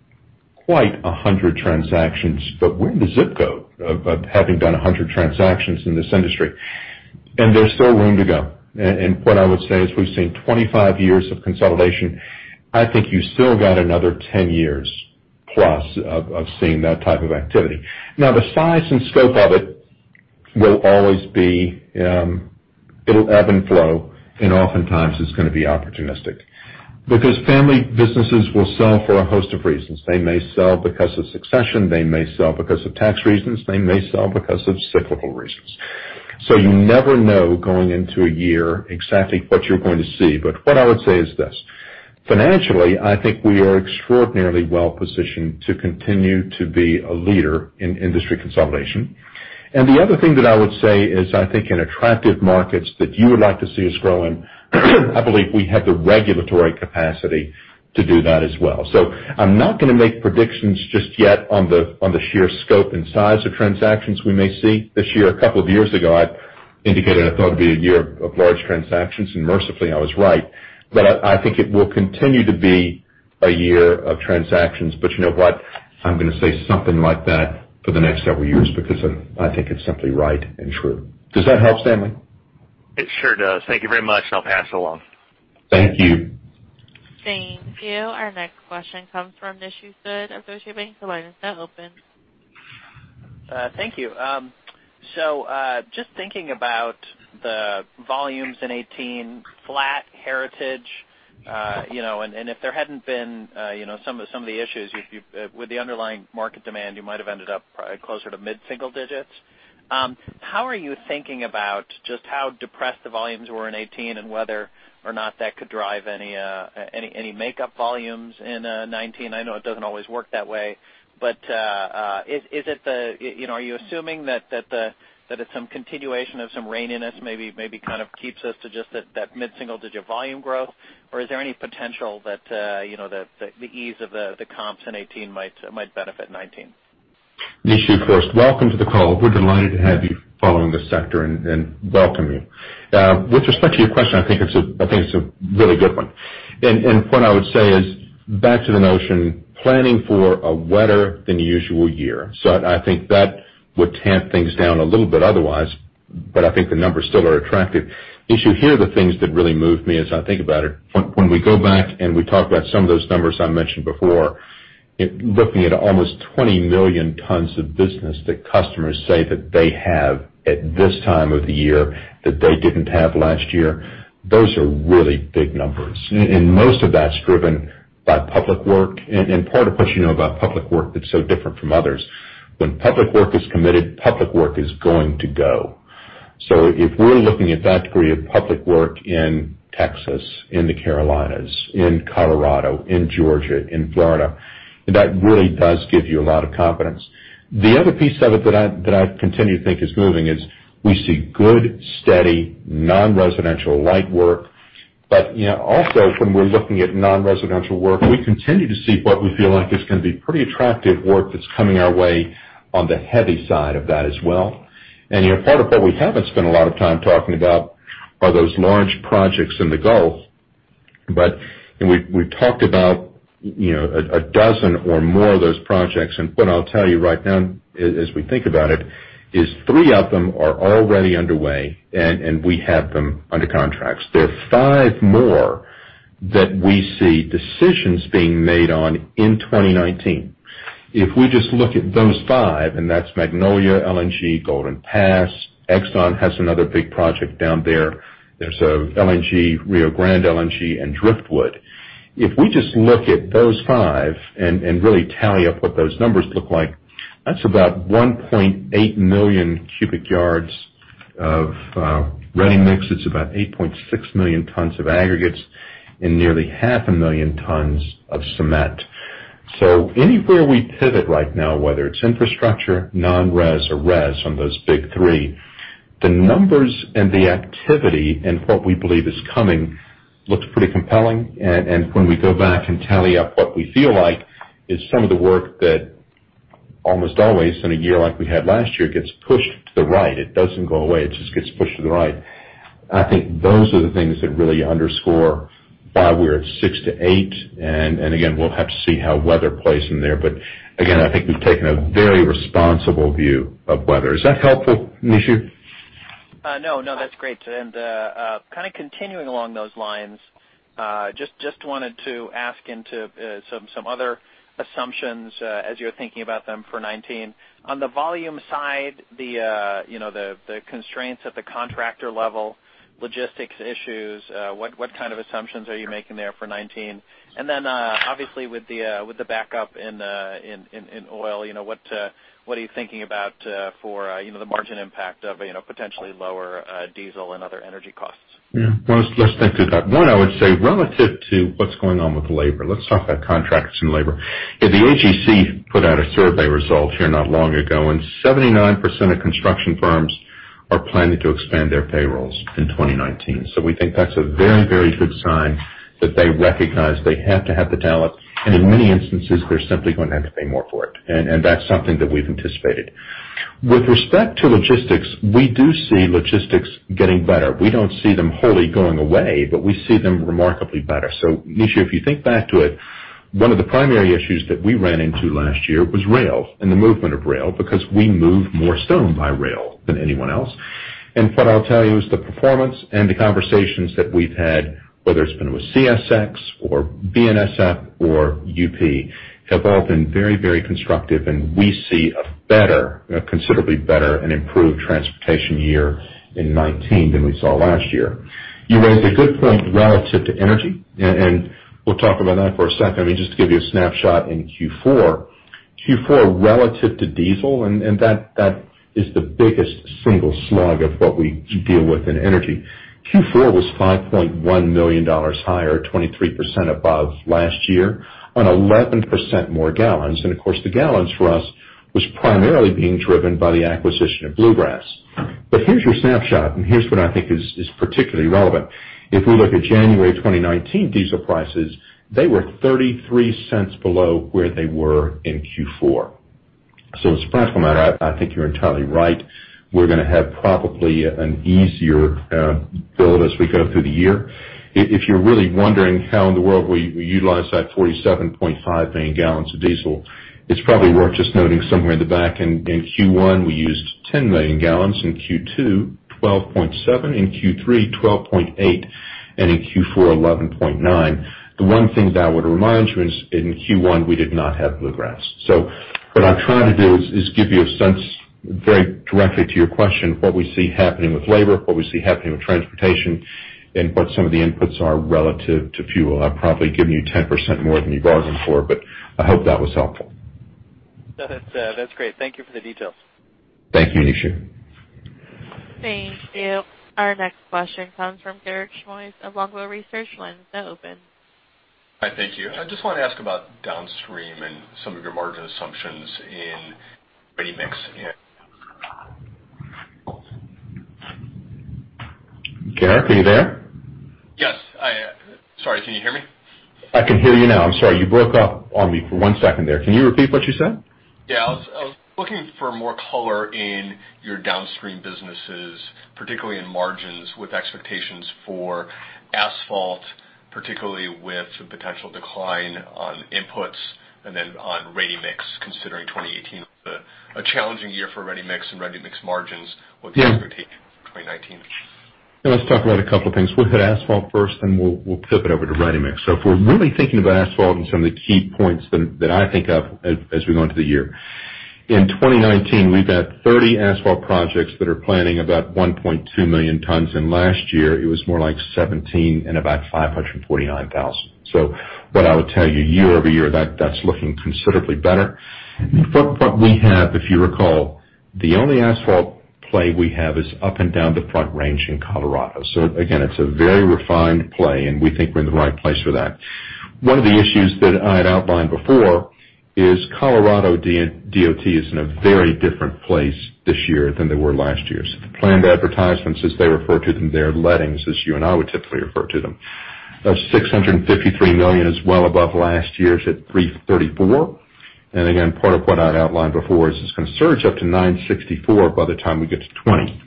quite 100 transactions, but we're in the ZIP Code of having done 100 transactions in this industry. There's still room to go. What I would say is we've seen 25 years of consolidation. I think you still got another 10+ years of seeing that type of activity. The size and scope of it will always be, it'll ebb and flow, and oftentimes it's gonna be opportunistic because family businesses will sell for a host of reasons. They may sell because of succession, they may sell because of tax reasons, they may sell because of cyclical reasons. You never know going into a year exactly what you're going to see. What I would say is this. Financially, I think we are extraordinarily well-positioned to continue to be a leader in industry consolidation. The other thing that I would say is, I think in attractive markets that you would like to see us grow in, I believe we have the regulatory capacity to do that as well. I'm not going to make predictions just yet on the sheer scope and size of transactions we may see this year. A couple of years ago, I indicated I thought it'd be a year of large transactions, and mercifully, I was right. I think it will continue to be a year of transactions. You know what? I'm going to say something like that for the next several years, because I think it's simply right and true. Does that help, Stanley? It sure does. Thank you very much, and I'll pass it along. Thank you. Thank you. Our next question comes from Nishu Sood of Deutsche Bank. The line is now open. Thank you. Just thinking about the volumes in 2018, flat heritage, and if there hadn't been some of the issues, with the underlying market demand, you might have ended up probably closer to mid-single digits. How are you thinking about just how depressed the volumes were in 2018 and whether or not that could drive any makeup volumes in 2019? I know it doesn't always work that way, but are you assuming that it's some continuation of some raininess, maybe kind of keeps us to just that mid-single digit volume growth? Is there any potential that the ease of the comps in 2018 might benefit 2019? Nishu, first, welcome to the call. We're delighted to have you following this sector and welcome you. With respect to your question, I think it's a really good one. What I would say is back to the notion, planning for a wetter than usual year. I think that would tamp things down a little bit otherwise, but I think the numbers still are attractive. Nishu, here are the things that really move me as I think about it. When we go back and we talk about some of those numbers I mentioned before, looking at almost 20 million tons of business that customers say that they have at this time of the year that they didn't have last year, those are really big numbers. Most of that's driven by public work. Part of what you know about public work that's so different from others, when public work is committed, public work is going to go. If we're looking at that degree of public work in Texas, in the Carolinas, in Colorado, in Georgia, in Florida, that really does give you a lot of confidence. The other piece of it that I continue to think is moving is we see good, steady, non-residential light work. Also when we're looking at non-residential work, we continue to see what we feel like is going to be pretty attractive work that's coming our way on the heavy side of that as well. Part of what we haven't spent a lot of time talking about are those large projects in the Gulf. We've talked about a dozen or more of those projects. What I'll tell you right now as we think about it is three of them are already underway, and we have them under contracts. There are five more that we see decisions being made on in 2019. If we just look at those five, and that's Magnolia LNG, Golden Pass, Exxon has another big project down there. There's Rio Grande LNG, and Driftwood. If we just look at those five and really tally up what those numbers look like, that's about 1.8 million cubic yards of ready mix. It's about 8.6 million tons of aggregates and nearly half a million tons of cement. Anywhere we pivot right now, whether it's infrastructure, non-res, or res on those big three, the numbers and the activity and what we believe is coming looks pretty compelling. When we go back and tally up what we feel like is some of the work that almost always in a year like we had last year, gets pushed to the right. It doesn't go away, it just gets pushed to the right. I think those are the things that really underscore why we're at six to eight, and again, we'll have to see how weather plays in there. Again, I think we've taken a very responsible view of weather. Is that helpful, Nishu? No, that's great. Kind of continuing along those lines, just wanted to ask into some other assumptions as you're thinking about them for 2019. On the volume side, the constraints at the contractor level, logistics issues, what kind of assumptions are you making there for 2019? Obviously, with the backup in oil, what are you thinking about for the margin impact of potentially lower diesel and other energy costs? Yeah. Let's think through that. One, I would say relative to what's going on with labor. Let's talk about contracts and labor. The AGC put out a survey result here not long ago, 79% of construction firms are planning to expand their payrolls in 2019. We think that's a very good sign that they recognize they have to have the talent, and in many instances, they're simply going to have to pay more for it. That's something that we've anticipated. With respect to logistics, we do see logistics getting better. We don't see them wholly going away, but we see them remarkably better. Nishu, if you think back to it, one of the primary issues that we ran into last year was rail and the movement of rail, because we move more stone by rail than anyone else. What I'll tell you is the performance and the conversations that we've had, whether it's been with CSX or BNSF or UP, have all been very constructive, and we see a considerably better and improved transportation year in 2019 than we saw last year. You raised a good point relative to energy, and we'll talk about that for a second. I mean, just to give you a snapshot in Q4 relative to diesel, and that is the biggest single slug of what we deal with in energy. Q4 was $5.1 million higher, 23% above last year, on 11% more gallons. Of course, the gallons for us was primarily being driven by the acquisition of Bluegrass. Here's your snapshot, and here's what I think is particularly relevant. If we look at January 2019 diesel prices, they were $0.33 below where they were in Q4. As a practical matter, I think you're entirely right. We're going to have probably an easier build as we go through the year. If you're really wondering how in the world we utilize that 47.5 million gallons of diesel, it's probably worth just noting somewhere in the back, in Q1 we used 10 million gallons, in Q2 12.7, in Q3 12.8, and in Q4 11.9. The one thing that I would remind you is in Q1, we did not have Bluegrass. What I'm trying to do is give you a sense, very directly to your question, what we see happening with labor, what we see happening with transportation, and what some of the inputs are relative to fuel. I've probably given you 10% more than you bargained for, but I hope that was helpful. No, that's great. Thank you for the details. Thank you, Nishu. Thank you. Our next question comes from Garik Shmois of Longbow Research. Line is now open. Hi, thank you. I just want to ask about downstream and some of your margin assumptions in ready-mix and Garik, are you there? Yes. Sorry, can you hear me? I can hear you now. I'm sorry, you broke up on me for one second there. Can you repeat what you said? Yeah. I was looking for more color in your downstream businesses, particularly in margins with expectations for asphalt, particularly with the potential decline on inputs, and then on ready-mix, considering 2018 was a challenging year for ready-mix and ready-mix margins. What's the- Yeah expectation for 2019? Let's talk about a couple of things. We'll hit asphalt first, then we'll flip it over to ready-mix. If we're really thinking about asphalt and some of the key points that I think of as we go into the year. In 2019, we've got 30 asphalt projects that are planning about 1.2 million tons, and last year it was more like 17 and about 549,000. What I would tell you year-over-year, that's looking considerably better. What we have, if you recall, the only asphalt play we have is up and down the Front Range in Colorado. Again, it's a very refined play, and we think we're in the right place for that. One of the issues that I had outlined before is Colorado DOT is in a very different place this year than they were last year. The planned advertisements, as they refer to them, their lettings, as you and I would typically refer to them, of $653 million is well above last year's at $334 million. Again, part of what I'd outlined before is it's going to surge up to $964 million by the time we get to 2020.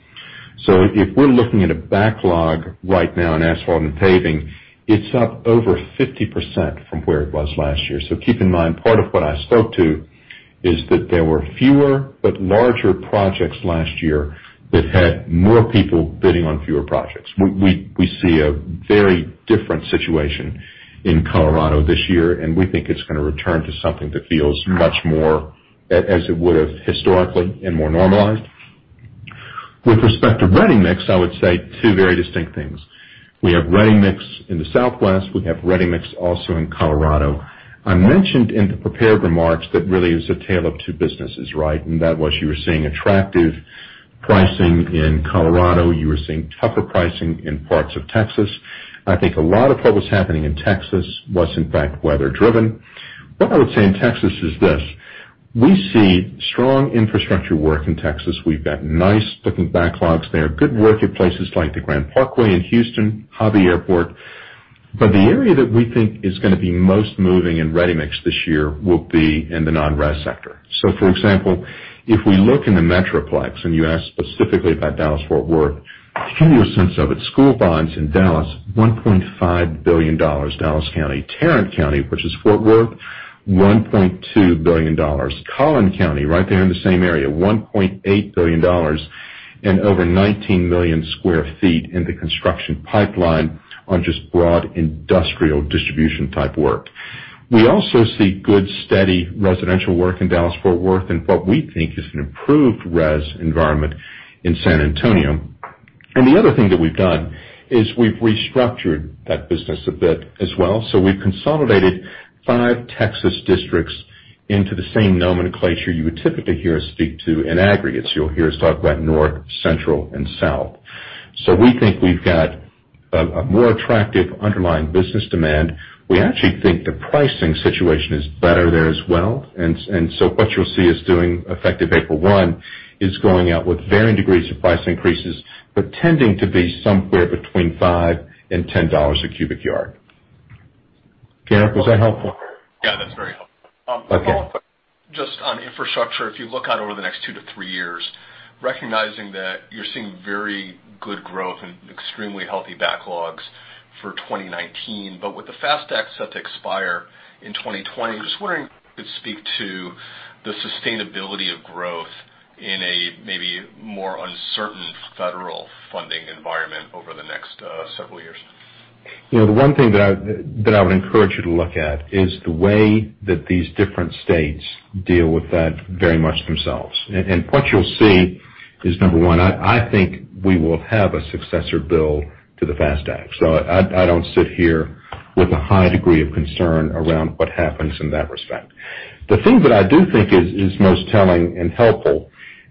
If we're looking at a backlog right now in asphalt and paving, it's up over 50% from where it was last year. Keep in mind, part of what I spoke to is that there were fewer but larger projects last year that had more people bidding on fewer projects. We see a very different situation in Colorado this year, and we think it's going to return to something that feels much more as it would've historically and more normalized. With respect to ready-mix, I would say two very distinct things. We have ready-mix in the Southwest. We have ready-mix also in Colorado. I mentioned in the prepared remarks that really is a tale of two businesses, right? In that what you were seeing, attractive pricing in Colorado. You were seeing tougher pricing in parts of Texas. I think a lot of what was happening in Texas was in fact weather driven. What I would say in Texas is this: we see strong infrastructure work in Texas. We've got nice looking backlogs there, good work at places like the Grand Parkway in Houston, Hobby Airport. The area that we think is going to be most moving in ready-mix this year will be in the non-res sector. For example, if we look in the Metroplex, and you asked specifically about Dallas-Fort Worth, to give you a sense of it, school bonds in Dallas, $1.5 billion, Dallas County. Tarrant County, which is Fort Worth, $1.2 billion. Collin County, right there in the same area, $1.8 billion and over 19 million square feet in the construction pipeline on just broad industrial distribution type work. We also see good, steady residential work in Dallas-Fort Worth and what we think is an improved res environment in San Antonio. The other thing that we've done is we've restructured that business a bit as well. We've consolidated five Texas districts into the same nomenclature you would typically hear us speak to in aggregates. You'll hear us talk about North, Central, and South. We think we've got a more attractive underlying business demand. We actually think the pricing situation is better there as well. What you'll see us doing effective April 1 is going out with varying degrees of price increases, but tending to be somewhere between $5 and $10 a cubic yard. Garik, was that helpful? Yeah, that's very helpful. Okay. A follow-up, just on infrastructure, if you look out over the next two to three years, recognizing that you're seeing very good growth and extremely healthy backlogs for 2019, but with the FAST Act set to expire in 2020, I'm just wondering if you could speak to the sustainability of growth in a maybe more uncertain federal funding environment over the next several years. The one thing that I would encourage you to look at is the way that these different states deal with that very much themselves. What you'll see is number one. I think we will have a successor bill to the FAST Act. I don't sit here with a high degree of concern around what happens in that respect. The thing that I do think is most telling and helpful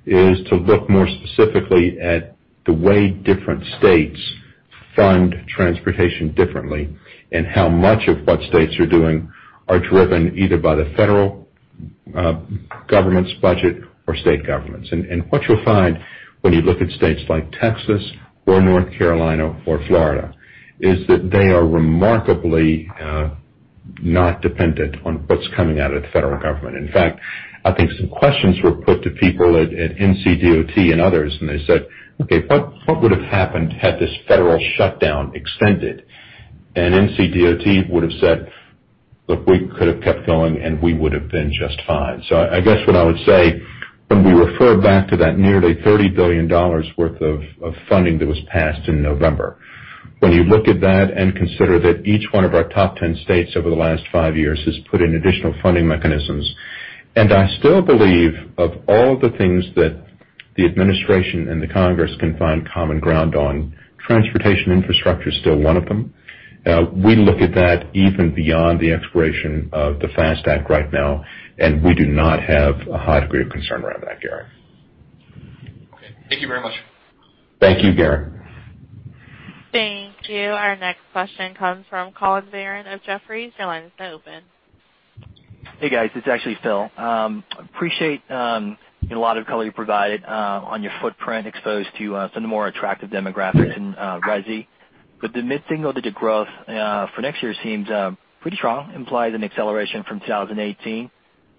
is to look more specifically at the way different states fund transportation differently, and how much of what states are doing are driven either by the federal government's budget or state governments. What you'll find when you look at states like Texas or North Carolina or Florida, is that they are remarkably not dependent on what's coming out of the federal government. In fact, I think some questions were put to people at NCDOT and others, and they said, Okay, what would have happened had this federal shutdown extended? NCDOT would've said, Look, we could have kept going, and we would have been just fine. I guess what I would say, when we refer back to that nearly $30 billion worth of funding that was passed in November. When you look at that and consider that each one of our top 10 states over the last five years has put in additional funding mechanisms. I still believe of all the things that the administration and the Congress can find common ground on, transportation infrastructure is still one of them. We look at that even beyond the expiration of the FAST Act right now, we do not have a high degree of concern around that, Gary. Okay. Thank you very much. Thank you, Gary. Thank you. Our next question comes from Philip Ng of Jefferies. Your line is now open. Hey, guys, it's actually Phil. Appreciate a lot of color you provided on your footprint exposed to some of the more attractive demographics in Resi. The mid-single digit growth for next year seems pretty strong, implies an acceleration from 2018.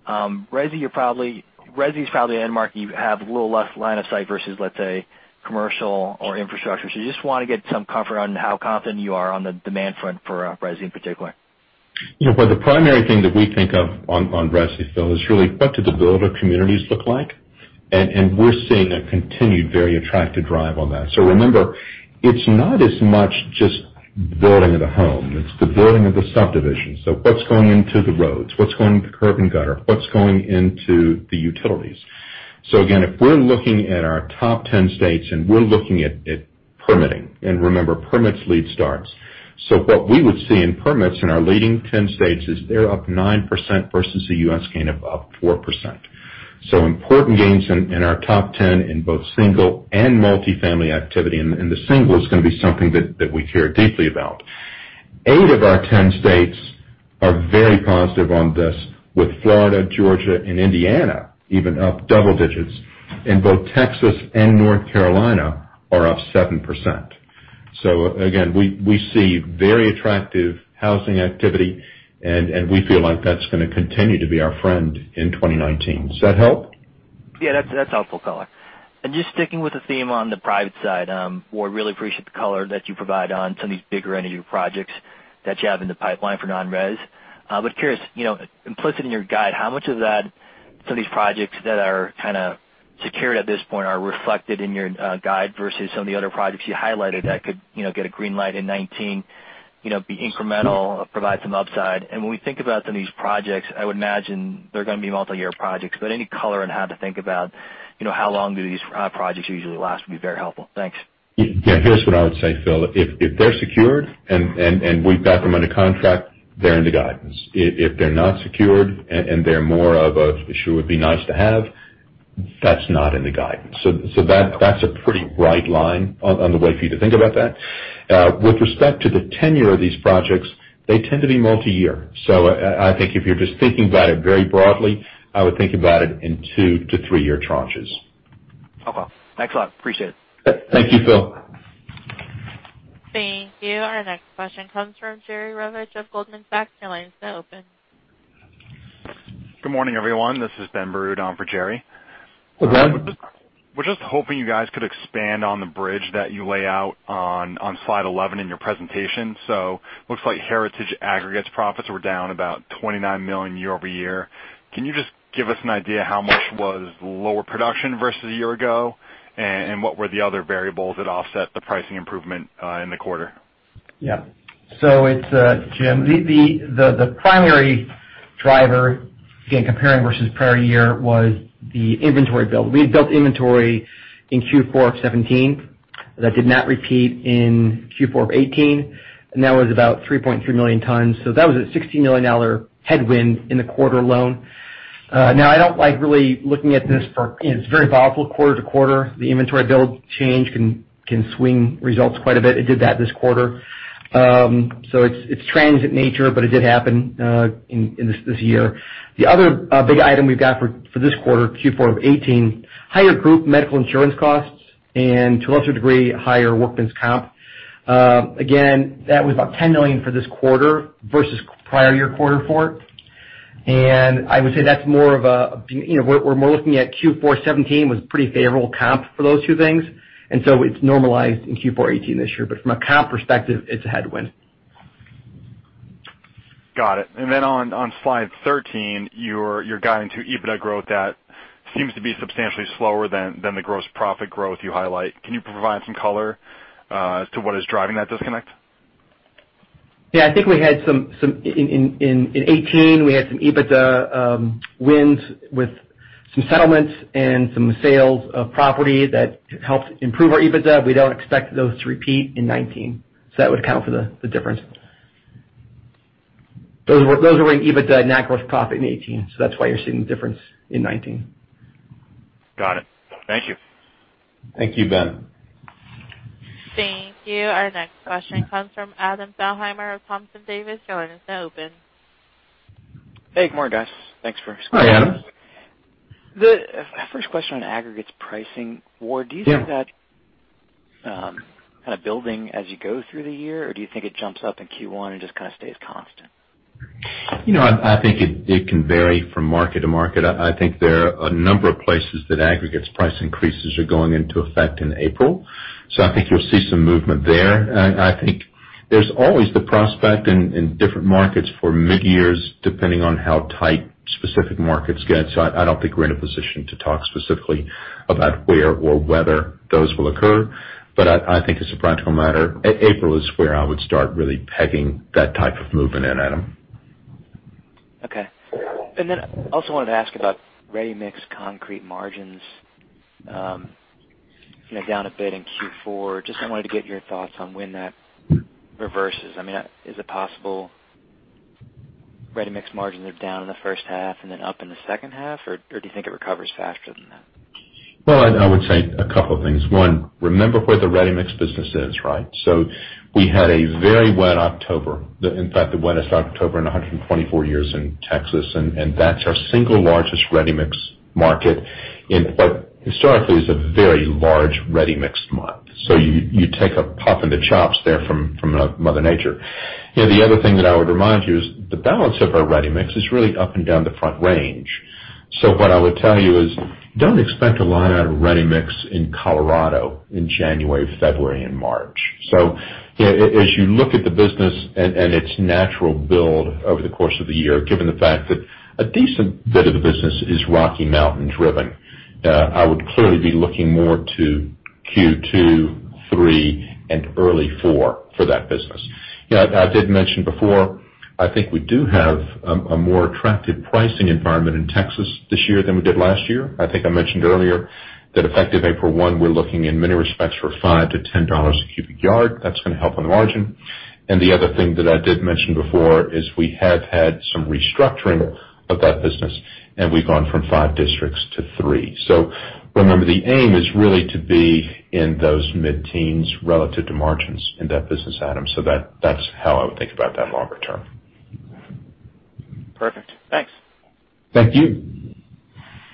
Resi is probably the end market you have a little less line of sight versus, let's say, commercial or infrastructure. Just want to get some comfort on how confident you are on the demand front for Resi in particular. Yeah. Well, the primary thing that we think of on Resi, Phil, is really what do the builder communities look like? We're seeing a continued, very attractive drive on that. Remember, it's not as much just building of the home, it's the building of the subdivision. What's going into the roads? What's going into the curb and gutter? What's going into the utilities? Again, if we're looking at our top 10 states, and we're looking at permitting, and remember, permits lead starts. What we would see in permits in our leading 10 states is they're up 9% versus a U.S. gain of 4%. Important gains in our top 10 in both single and multi-family activity, and the single is going to be something that we care deeply about. Eight of our 10 states are very positive on this, with Florida, Georgia, and Indiana even up double digits, and both Texas and North Carolina are up 7%. Again, we see very attractive housing activity, and we feel like that's going to continue to be our friend in 2019. Does that help? Yeah, that's helpful color. Just sticking with the theme on the private side, we really appreciate the color that you provide on some of these bigger energy projects that you have in the pipeline for non-res. I was curious, implicit in your guide, how much of that, some of these projects that are kind of secured at this point are reflected in your guide versus some of the other projects you highlighted that could get a green light in 2019, be incremental, provide some upside? When we think about some of these projects, I would imagine they're going to be multi-year projects, but any color on how to think about how long do these projects usually last would be very helpful. Thanks. Yeah. Here's what I would say, Phil. If they're secured and we've got them under contract, they're in the guidance. If they're not secured and they're more of a, Sure would be nice to have, that's not in the guidance. That's a pretty bright line on the way for you to think about that. With respect to the tenure of these projects, they tend to be multi-year. I think if you're just thinking about it very broadly, I would think about it in two to three-year tranches. Okay. Thanks a lot. Appreciate it. Thank you, Phil. Thank you. Our next question comes from Jerry Revich of Goldman Sachs. Your line is now open. Good morning, everyone. This is Ben Burud on for Jerry. Go ahead. We're just hoping you guys could expand on the bridge that you lay out on Slide 11 in your presentation. Looks like Heritage Aggregates profits were down about $29 million year-over-year. Can you just give us an idea how much was lower production versus a year ago? What were the other variables that offset the pricing improvement in the quarter? Yeah. It's Jim. The primary driver, again, comparing versus prior year, was the inventory build. We had built inventory in Q4 of 2017. That did not repeat in Q4 of 2018, and that was about 3.3 million tons. That was a $60 million headwind in the quarter alone. Now, I don't like really looking at this for It's very volatile quarter-to-quarter. The inventory build change can swing results quite a bit. It did that this quarter. It's transient nature, but it did happen this year. The other big item we've got for this quarter, Q4 of 2018, higher group medical insurance costs and to a lesser degree, higher workman's comp. Again, that was about $10 million for this quarter versus prior year quarter four. I would say that's more of a We're mostly looking at Q4 2017 was pretty favorable comp for those two things, it's normalized in Q4 2018 this year. From a comp perspective, it's a headwind. Got it. Then on Slide 13, your guiding to EBITDA growth, that seems to be substantially slower than the gross profit growth you highlight. Can you provide some color as to what is driving that disconnect? Yeah, I think in 2018, we had some EBITDA wins with some settlements and some sales of property that helped improve our EBITDA. We don't expect those to repeat in 2019. That would account for the difference. Those were in EBITDA, not gross profit in 2018, so that's why you're seeing the difference in 2019. Got it. Thank you. Thank you, Ben. Thank you. Our next question comes from Adam Thalhimer of Thompson Davis. Your line is now open. Hey, good morning, guys. Thanks for. Hi, Adam. The first question on aggregates pricing. Ward. Yeah Do you see that kind of building as you go through the year, or do you think it jumps up in Q1 and just kind of stays constant? I think it can vary from market to market. I think there are a number of places that aggregates price increases are going into effect in April, you'll see some movement there. I think there's always the prospect in different markets for mid-years, depending on how tight specific markets get. I don't think we're in a position to talk specifically about where or whether those will occur. I think as a practical matter, April is where I would start really pegging that type of movement in, Adam. Okay. I also wanted to ask about ready-mix concrete margins. Down a bit in Q4. Just I wanted to get your thoughts on when that reverses. Is it possible ready-mix margins are down in the first half and then up in the second half, or do you think it recovers faster than that? Well, I would say a couple things. One, remember where the ready-mix business is, right? We had a very wet October. In fact, the wettest October in 124 years in Texas, that's our single largest ready-mix market. Historically, it's a very large ready-mix month. You take a puff in the chops there from Mother Nature. The other thing that I would remind you is the balance of our ready-mix is really up and down the Front Range. What I would tell you is, don't expect a lot out of ready-mix in Colorado in January, February, and March. As you look at the business and its natural build over the course of the year, given the fact that a decent bit of the business is Rocky Mountain driven, I would clearly be looking more to Q2, three, and early four for that business. I did mention before, I think we do have a more attractive pricing environment in Texas this year than we did last year. I think I mentioned earlier that effective April 1, we're looking in many respects for $5 to $10 a cubic yard. That's going to help on the margin. The other thing that I did mention before is we have had some restructuring of that business, and we've gone from five districts to three. Remember, the aim is really to be in those mid-teens relative to margins in that business, Adam. That's how I would think about that longer term. Perfect. Thanks. Thank you.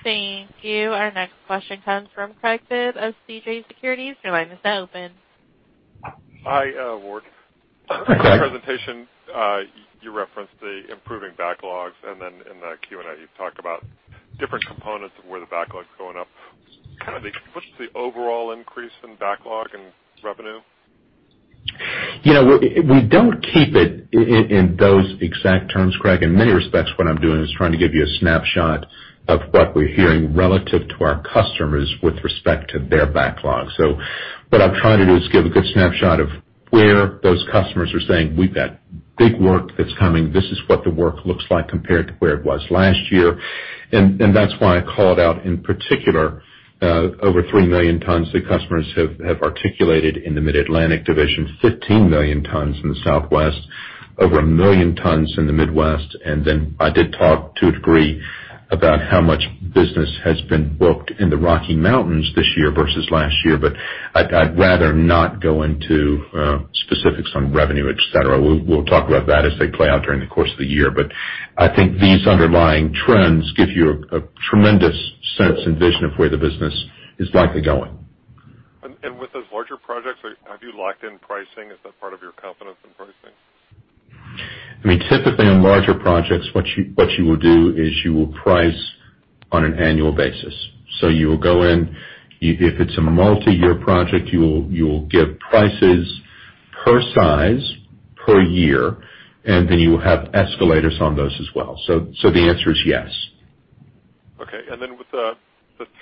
Thank you. Our next question comes from Craig Bibb of CJS Securities. Your line is now open. Hi, Ward. Hi, Craig. In the presentation, you referenced the improving backlogs, and then in the Q&A, you talk about different components of where the backlog's going up. What's the overall increase in backlog and revenue? We don't keep it in those exact terms, Craig. In many respects, what I'm doing is trying to give you a snapshot of what we're hearing relative to our customers with respect to their backlog. What I'm trying to do is give a good snapshot of where those customers are saying, We've got big work that's coming. This is what the work looks like compared to where it was last year. That's why I called out, in particular, over 3 million tons that customers have articulated in the Mid-Atlantic division, 15 million tons in the Southwest, over 1 million tons in the Midwest. Then I did talk to a degree about how much business has been booked in the Rocky Mountains this year versus last year. I'd rather not go into specifics on revenue, et cetera. We'll talk about that as they play out during the course of the year. I think these underlying trends give you a tremendous sense and vision of where the business is likely going. With those larger projects, have you locked in pricing? Is that part of your confidence in pricing? Typically on larger projects, what you will do is you will price on an annual basis. You will go in, if it's a multi-year project, you will give prices per size, per year, and then you will have escalators on those as well. The answer is yes. Okay. Then with the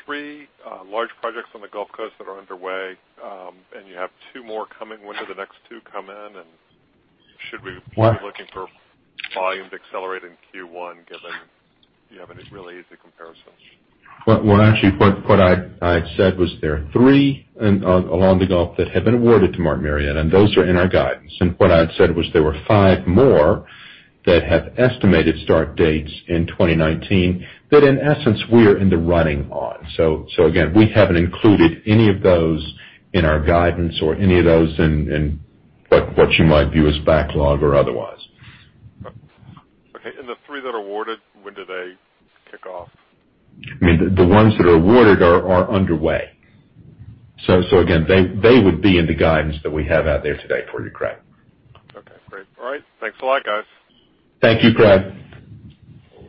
three large projects on the Gulf Coast that are underway, you have two more coming, when do the next two come in? Should we- Well- be looking for volume to accelerate in Q1, given you have really easy comparisons? Well, actually, what I had said was there are three along the Gulf that have been awarded to Martin Marietta, and those are in our guidance. What I had said was there were five more that have estimated start dates in 2019 that in essence, we are in the running on. Again, we haven't included any of those in our guidance or any of those in what you might view as backlog or otherwise. Okay. The three that are awarded, when do they kick off? The ones that are awarded are underway. Again, they would be in the guidance that we have out there today for you, Craig. Okay, great. All right. Thanks a lot, guys. Thank you, Craig.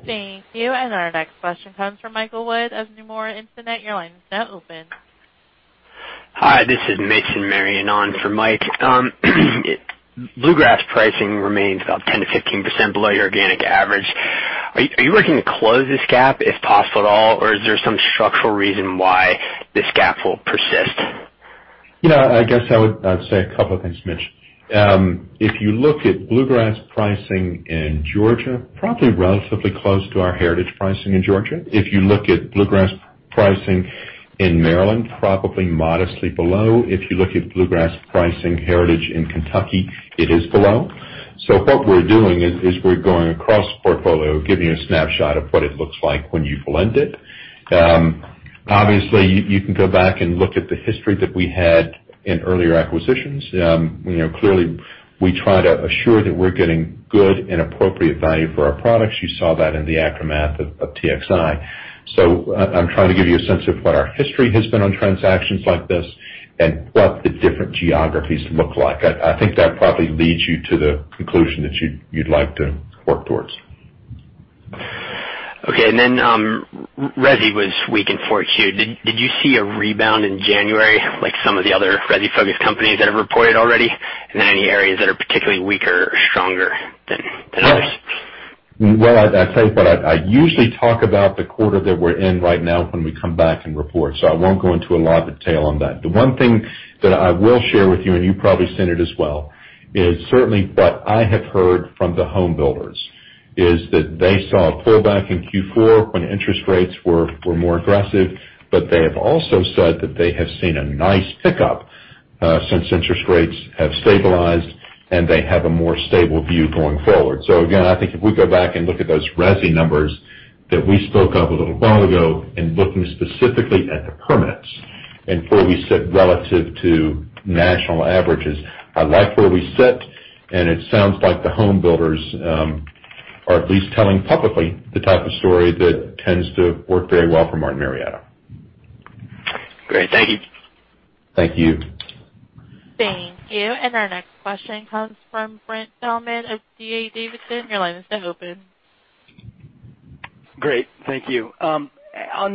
Thank you. Our next question comes from Michael Wood of Nomura Instinet. Your line is now open. Hi, this is Mason Marion on for Mike. Bluegrass pricing remains about 10%-15% below your organic average. Are you working to close this gap if possible at all, or is there some structural reason why this gap will persist? I guess I would say a couple of things, Mitch. If you look at Bluegrass pricing in Georgia, probably relatively close to our Heritage pricing in Georgia. If you look at Bluegrass pricing in Maryland, probably modestly below. If you look at Bluegrass pricing Heritage in Kentucky, it is below. What we're doing is we're going across the portfolio, giving you a snapshot of what it looks like when you blend it. You can go back and look at the history that we had in earlier acquisitions. We try to assure that we're getting good and appropriate value for our products. You saw that in the aftermath of TXI. I'm trying to give you a sense of what our history has been on transactions like this and what the different geographies look like. I think that probably leads you to the conclusion that you'd like to work towards. Resi was weak in 4Q. Did you see a rebound in January, like some of the other resi-focused companies that have reported already? Any areas that are particularly weaker or stronger than others? I tell you what, I usually talk about the quarter that we're in right now when we come back and report. I won't go into a lot of detail on that. The one thing that I will share with you, and you probably seen it as well, is certainly what I have heard from the home builders is that they saw a pullback in Q4 when interest rates were more aggressive. They have also said that they have seen a nice pickup, since interest rates have stabilized, and they have a more stable view going forward. I think if we go back and look at those resi numbers that we spoke of a little while ago, looking specifically at the permits, and before we said relative to national averages, I like where we sit, and it sounds like the home builders are at least telling publicly the type of story that tends to work very well for Martin Marietta. Great. Thank you. Thank you. Thank you. Our next question comes from Brent Thielman of D.A. Davidson. Your line is now open. Great. Thank you. On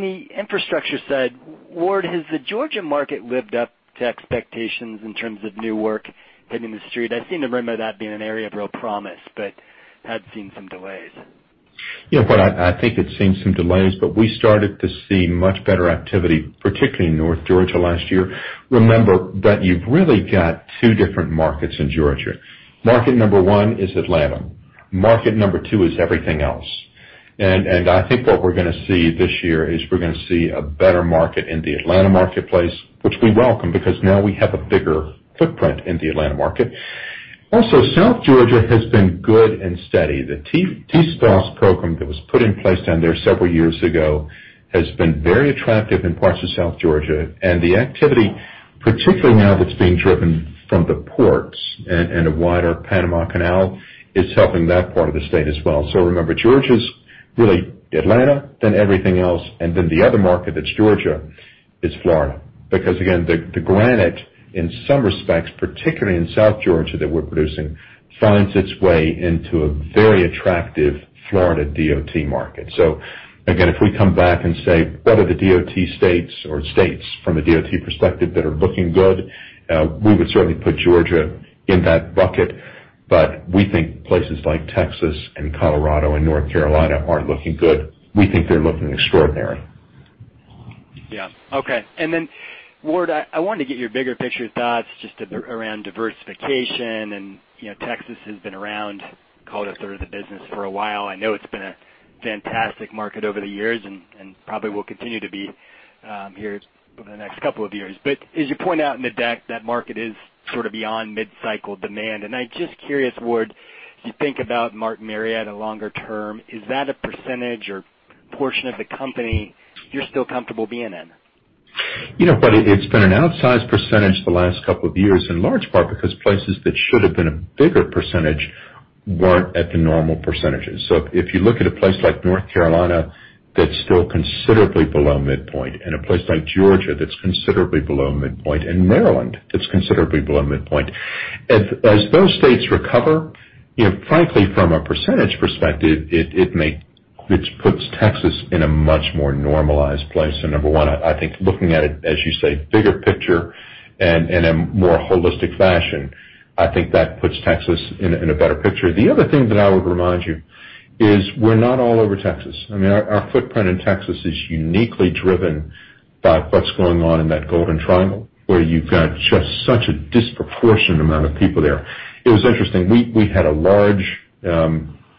the infrastructure side, Ward, has the Georgia market lived up to expectations in terms of new work hitting the street? I've seen the rumor that being an area of real promise, but had seen some delays. Yeah, bud, I think it's seen some delays. We started to see much better activity, particularly in North Georgia last year. Remember that you've really got two different markets in Georgia. Market number one is Atlanta. Market number two is everything else. I think what we're gonna see this year is we're gonna see a better market in the Atlanta marketplace, which we welcome because now we have a bigger footprint in the Atlanta market. Also, South Georgia has been good and steady. The T-SPLOST program that was put in place down there several years ago has been very attractive in parts of South Georgia. The activity, particularly now that's being driven from the ports and the wider Panama Canal, is helping that part of the state as well. Remember, Georgia's really Atlanta, then everything else, and then the other market that's Georgia is Florida. Because again, the granite, in some respects, particularly in South Georgia that we're producing, finds its way into a very attractive Florida DOT market. Again, if we come back and say, what are the DOT states or states from a DOT perspective that are looking good? We would certainly put Georgia in that bucket, but we think places like Texas and Colorado and North Carolina aren't looking good. We think they're looking extraordinary. Yeah. Okay. Ward, I wanted to get your bigger picture thoughts just around diversification and Texas has been around, call it a third of the business for a while. I know it's been a fantastic market over the years and probably will continue to be here over the next couple of years. As you point out in the deck, that market is sort of beyond mid-cycle demand, and I'm just curious, Ward, as you think about Martin Marietta longer term, is that a percentage or portion of the company you're still comfortable being in? You know, buddy, it's been an outsized percentage the last two years, in large part because places that should have been a bigger percentage weren't at the normal percentages. If you look at a place like North Carolina that's still considerably below midpoint, and a place like Georgia that's considerably below midpoint, and Maryland that's considerably below midpoint. As those states recover, frankly, from a percentage perspective, it puts Texas in a much more normalized place. Number one, I think looking at it, as you say, bigger picture and in a more holistic fashion, I think that puts Texas in a better picture. The other thing that I would remind you is we're not all over Texas. I mean, our footprint in Texas is uniquely driven by what's going on in that Golden Triangle, where you've got just such a disproportionate amount of people there. It was interesting. We had a large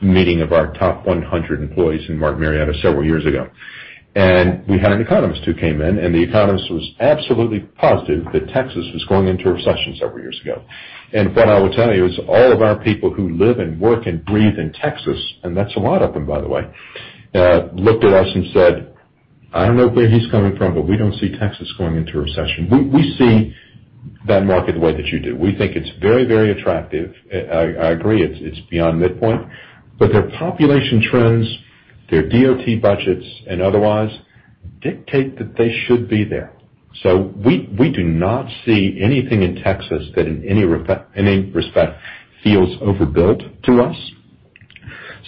meeting of our top 100 employees in Martin Marietta several years ago, we had an economist who came in, and the economist was absolutely positive that Texas was going into a recession several years ago. What I will tell you is all of our people who live and work and breathe in Texas, and that's a lot of them, by the way, looked at us and said, I don't know where he's coming from, but we don't see Texas going into a recession. We see that market the way that you do. We think it's very, very attractive. I agree, it's beyond midpoint, but their population trends, their DOT budgets, and otherwise dictate that they should be there. We do not see anything in Texas that in any respect feels overbuilt to us.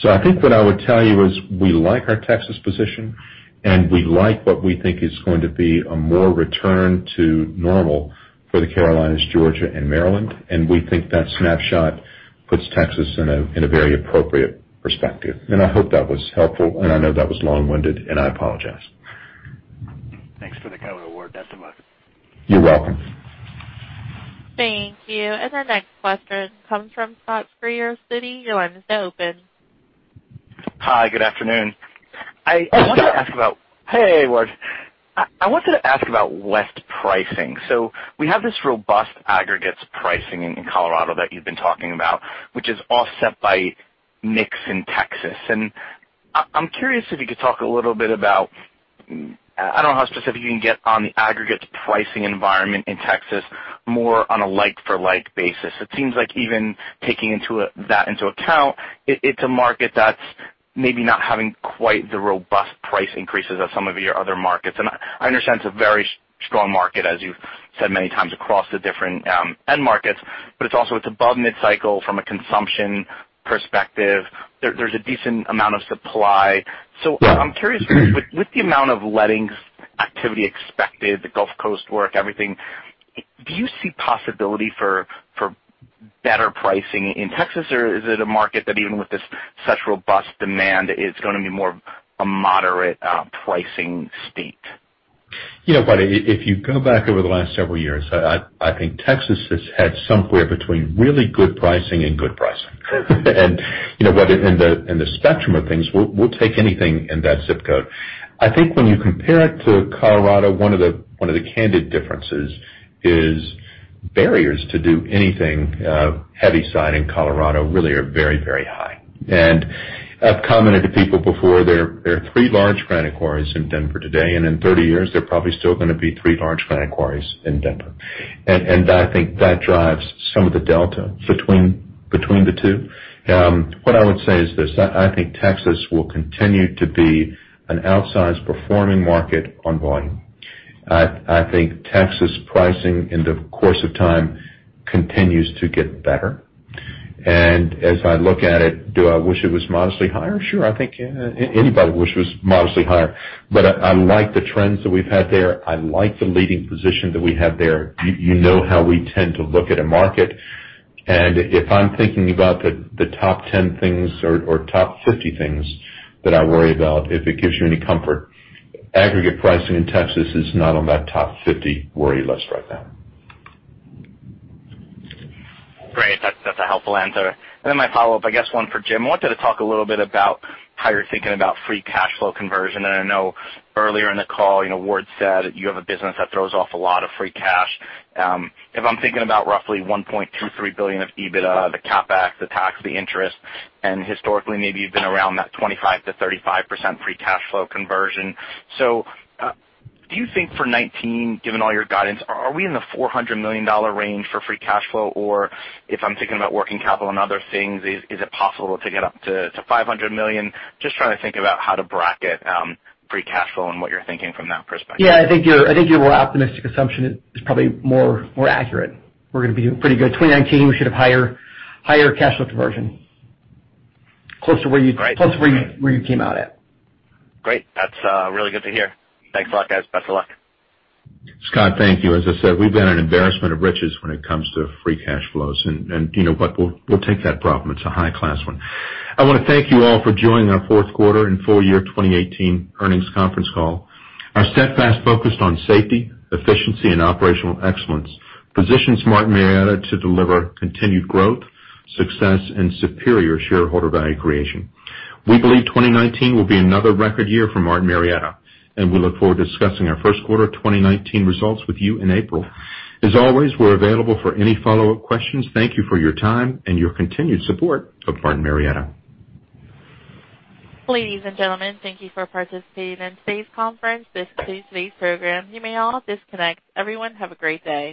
I think what I would tell you is we like our Texas position, we like what we think is going to be a more return to normal for the Carolinas, Georgia, and Maryland, and we think that snapshot puts Texas in a very appropriate perspective. I hope that was helpful, and I know that was long-winded, and I apologize. Thanks for the kind word, Esteban. You're welcome. Thank you. Our next question comes from Scott Schrier, Citi. Your line is open. Hi, good afternoon. Hey, Ward. I wanted to ask about West pricing. We have this robust aggregates pricing in Colorado that you've been talking about, which is offset by mix in Texas. I'm curious if you could talk a little bit about, I don't know how specific you can get on the aggregates pricing environment in Texas, more on a like for like basis. It seems like even taking that into account, it's a market that's maybe not having quite the robust price increases of some of your other markets. I understand it's a very strong market, as you've said many times across the different end markets, but it's also above mid-cycle from a consumption perspective. There's a decent amount of supply. I'm curious, with the amount of lettings activity expected, the Gulf Coast work, everything, do you see possibility for better pricing in Texas? Is it a market that even with such robust demand, it's going to be more a moderate pricing state? Buddy, if you go back over the last several years, I think Texas has had somewhere between really good pricing and good pricing. In the spectrum of things, we'll take anything in that zip code. I think when you compare it to Colorado, one of the candid differences is barriers to do anything heavy side in Colorado really are very, very high. I've commented to people before, there are three large granite quarries in Denver today, and in 30 years, there are probably still going to be three large granite quarries in Denver. I think that drives some of the delta between the two. What I would say is this, I think Texas will continue to be an outsized performing market on volume. I think Texas pricing in the course of time continues to get better. As I look at it, do I wish it was modestly higher? Sure. I think anybody wish it was modestly higher. I like the trends that we've had there. I like the leading position that we have there. You know how we tend to look at a market. If I'm thinking about the top 10 things or top 50 things that I worry about, if it gives you any comfort, aggregate pricing in Texas is not on that top 50 worry list right now. Great. That's a helpful answer. My follow-up, I guess one for Jim, I wanted to talk a little bit about how you're thinking about free cash flow conversion. I know earlier in the call, Ward said you have a business that throws off a lot of free cash. If I'm thinking about roughly $1.23 billion of EBITDA, the CapEx, the tax, the interest, and historically, maybe you've been around that 25%-35% free cash flow conversion. Do you think for 2019, given all your guidance, are we in the $400 million range for free cash flow? If I'm thinking about working capital and other things, is it possible to get up to $500 million? Just trying to think about how to bracket free cash flow and what you're thinking from that perspective. Yeah, I think your more optimistic assumption is probably more accurate. We're going to be doing pretty good. 2019, we should have higher cash flow conversion. Closer to where you came out at. Great. That's really good to hear. Thanks a lot, guys. Best of luck. Scott, thank you. As I said, we've been an embarrassment of riches when it comes to free cash flows, but we'll take that problem. It's a high-class one. I want to thank you all for joining our fourth quarter and full-year 2018 earnings conference call. Our steadfast focus on safety, efficiency, and operational excellence positions Martin Marietta to deliver continued growth, success, and superior shareholder value creation. We believe 2019 will be another record year for Martin Marietta, and we look forward to discussing our first quarter 2019 results with you in April. Always, we're available for any follow-up questions. Thank you for your time and your continued support of Martin Marietta. Ladies and gentlemen, thank you for participating in today's conference. This concludes today's program. You may all disconnect. Everyone, have a great day.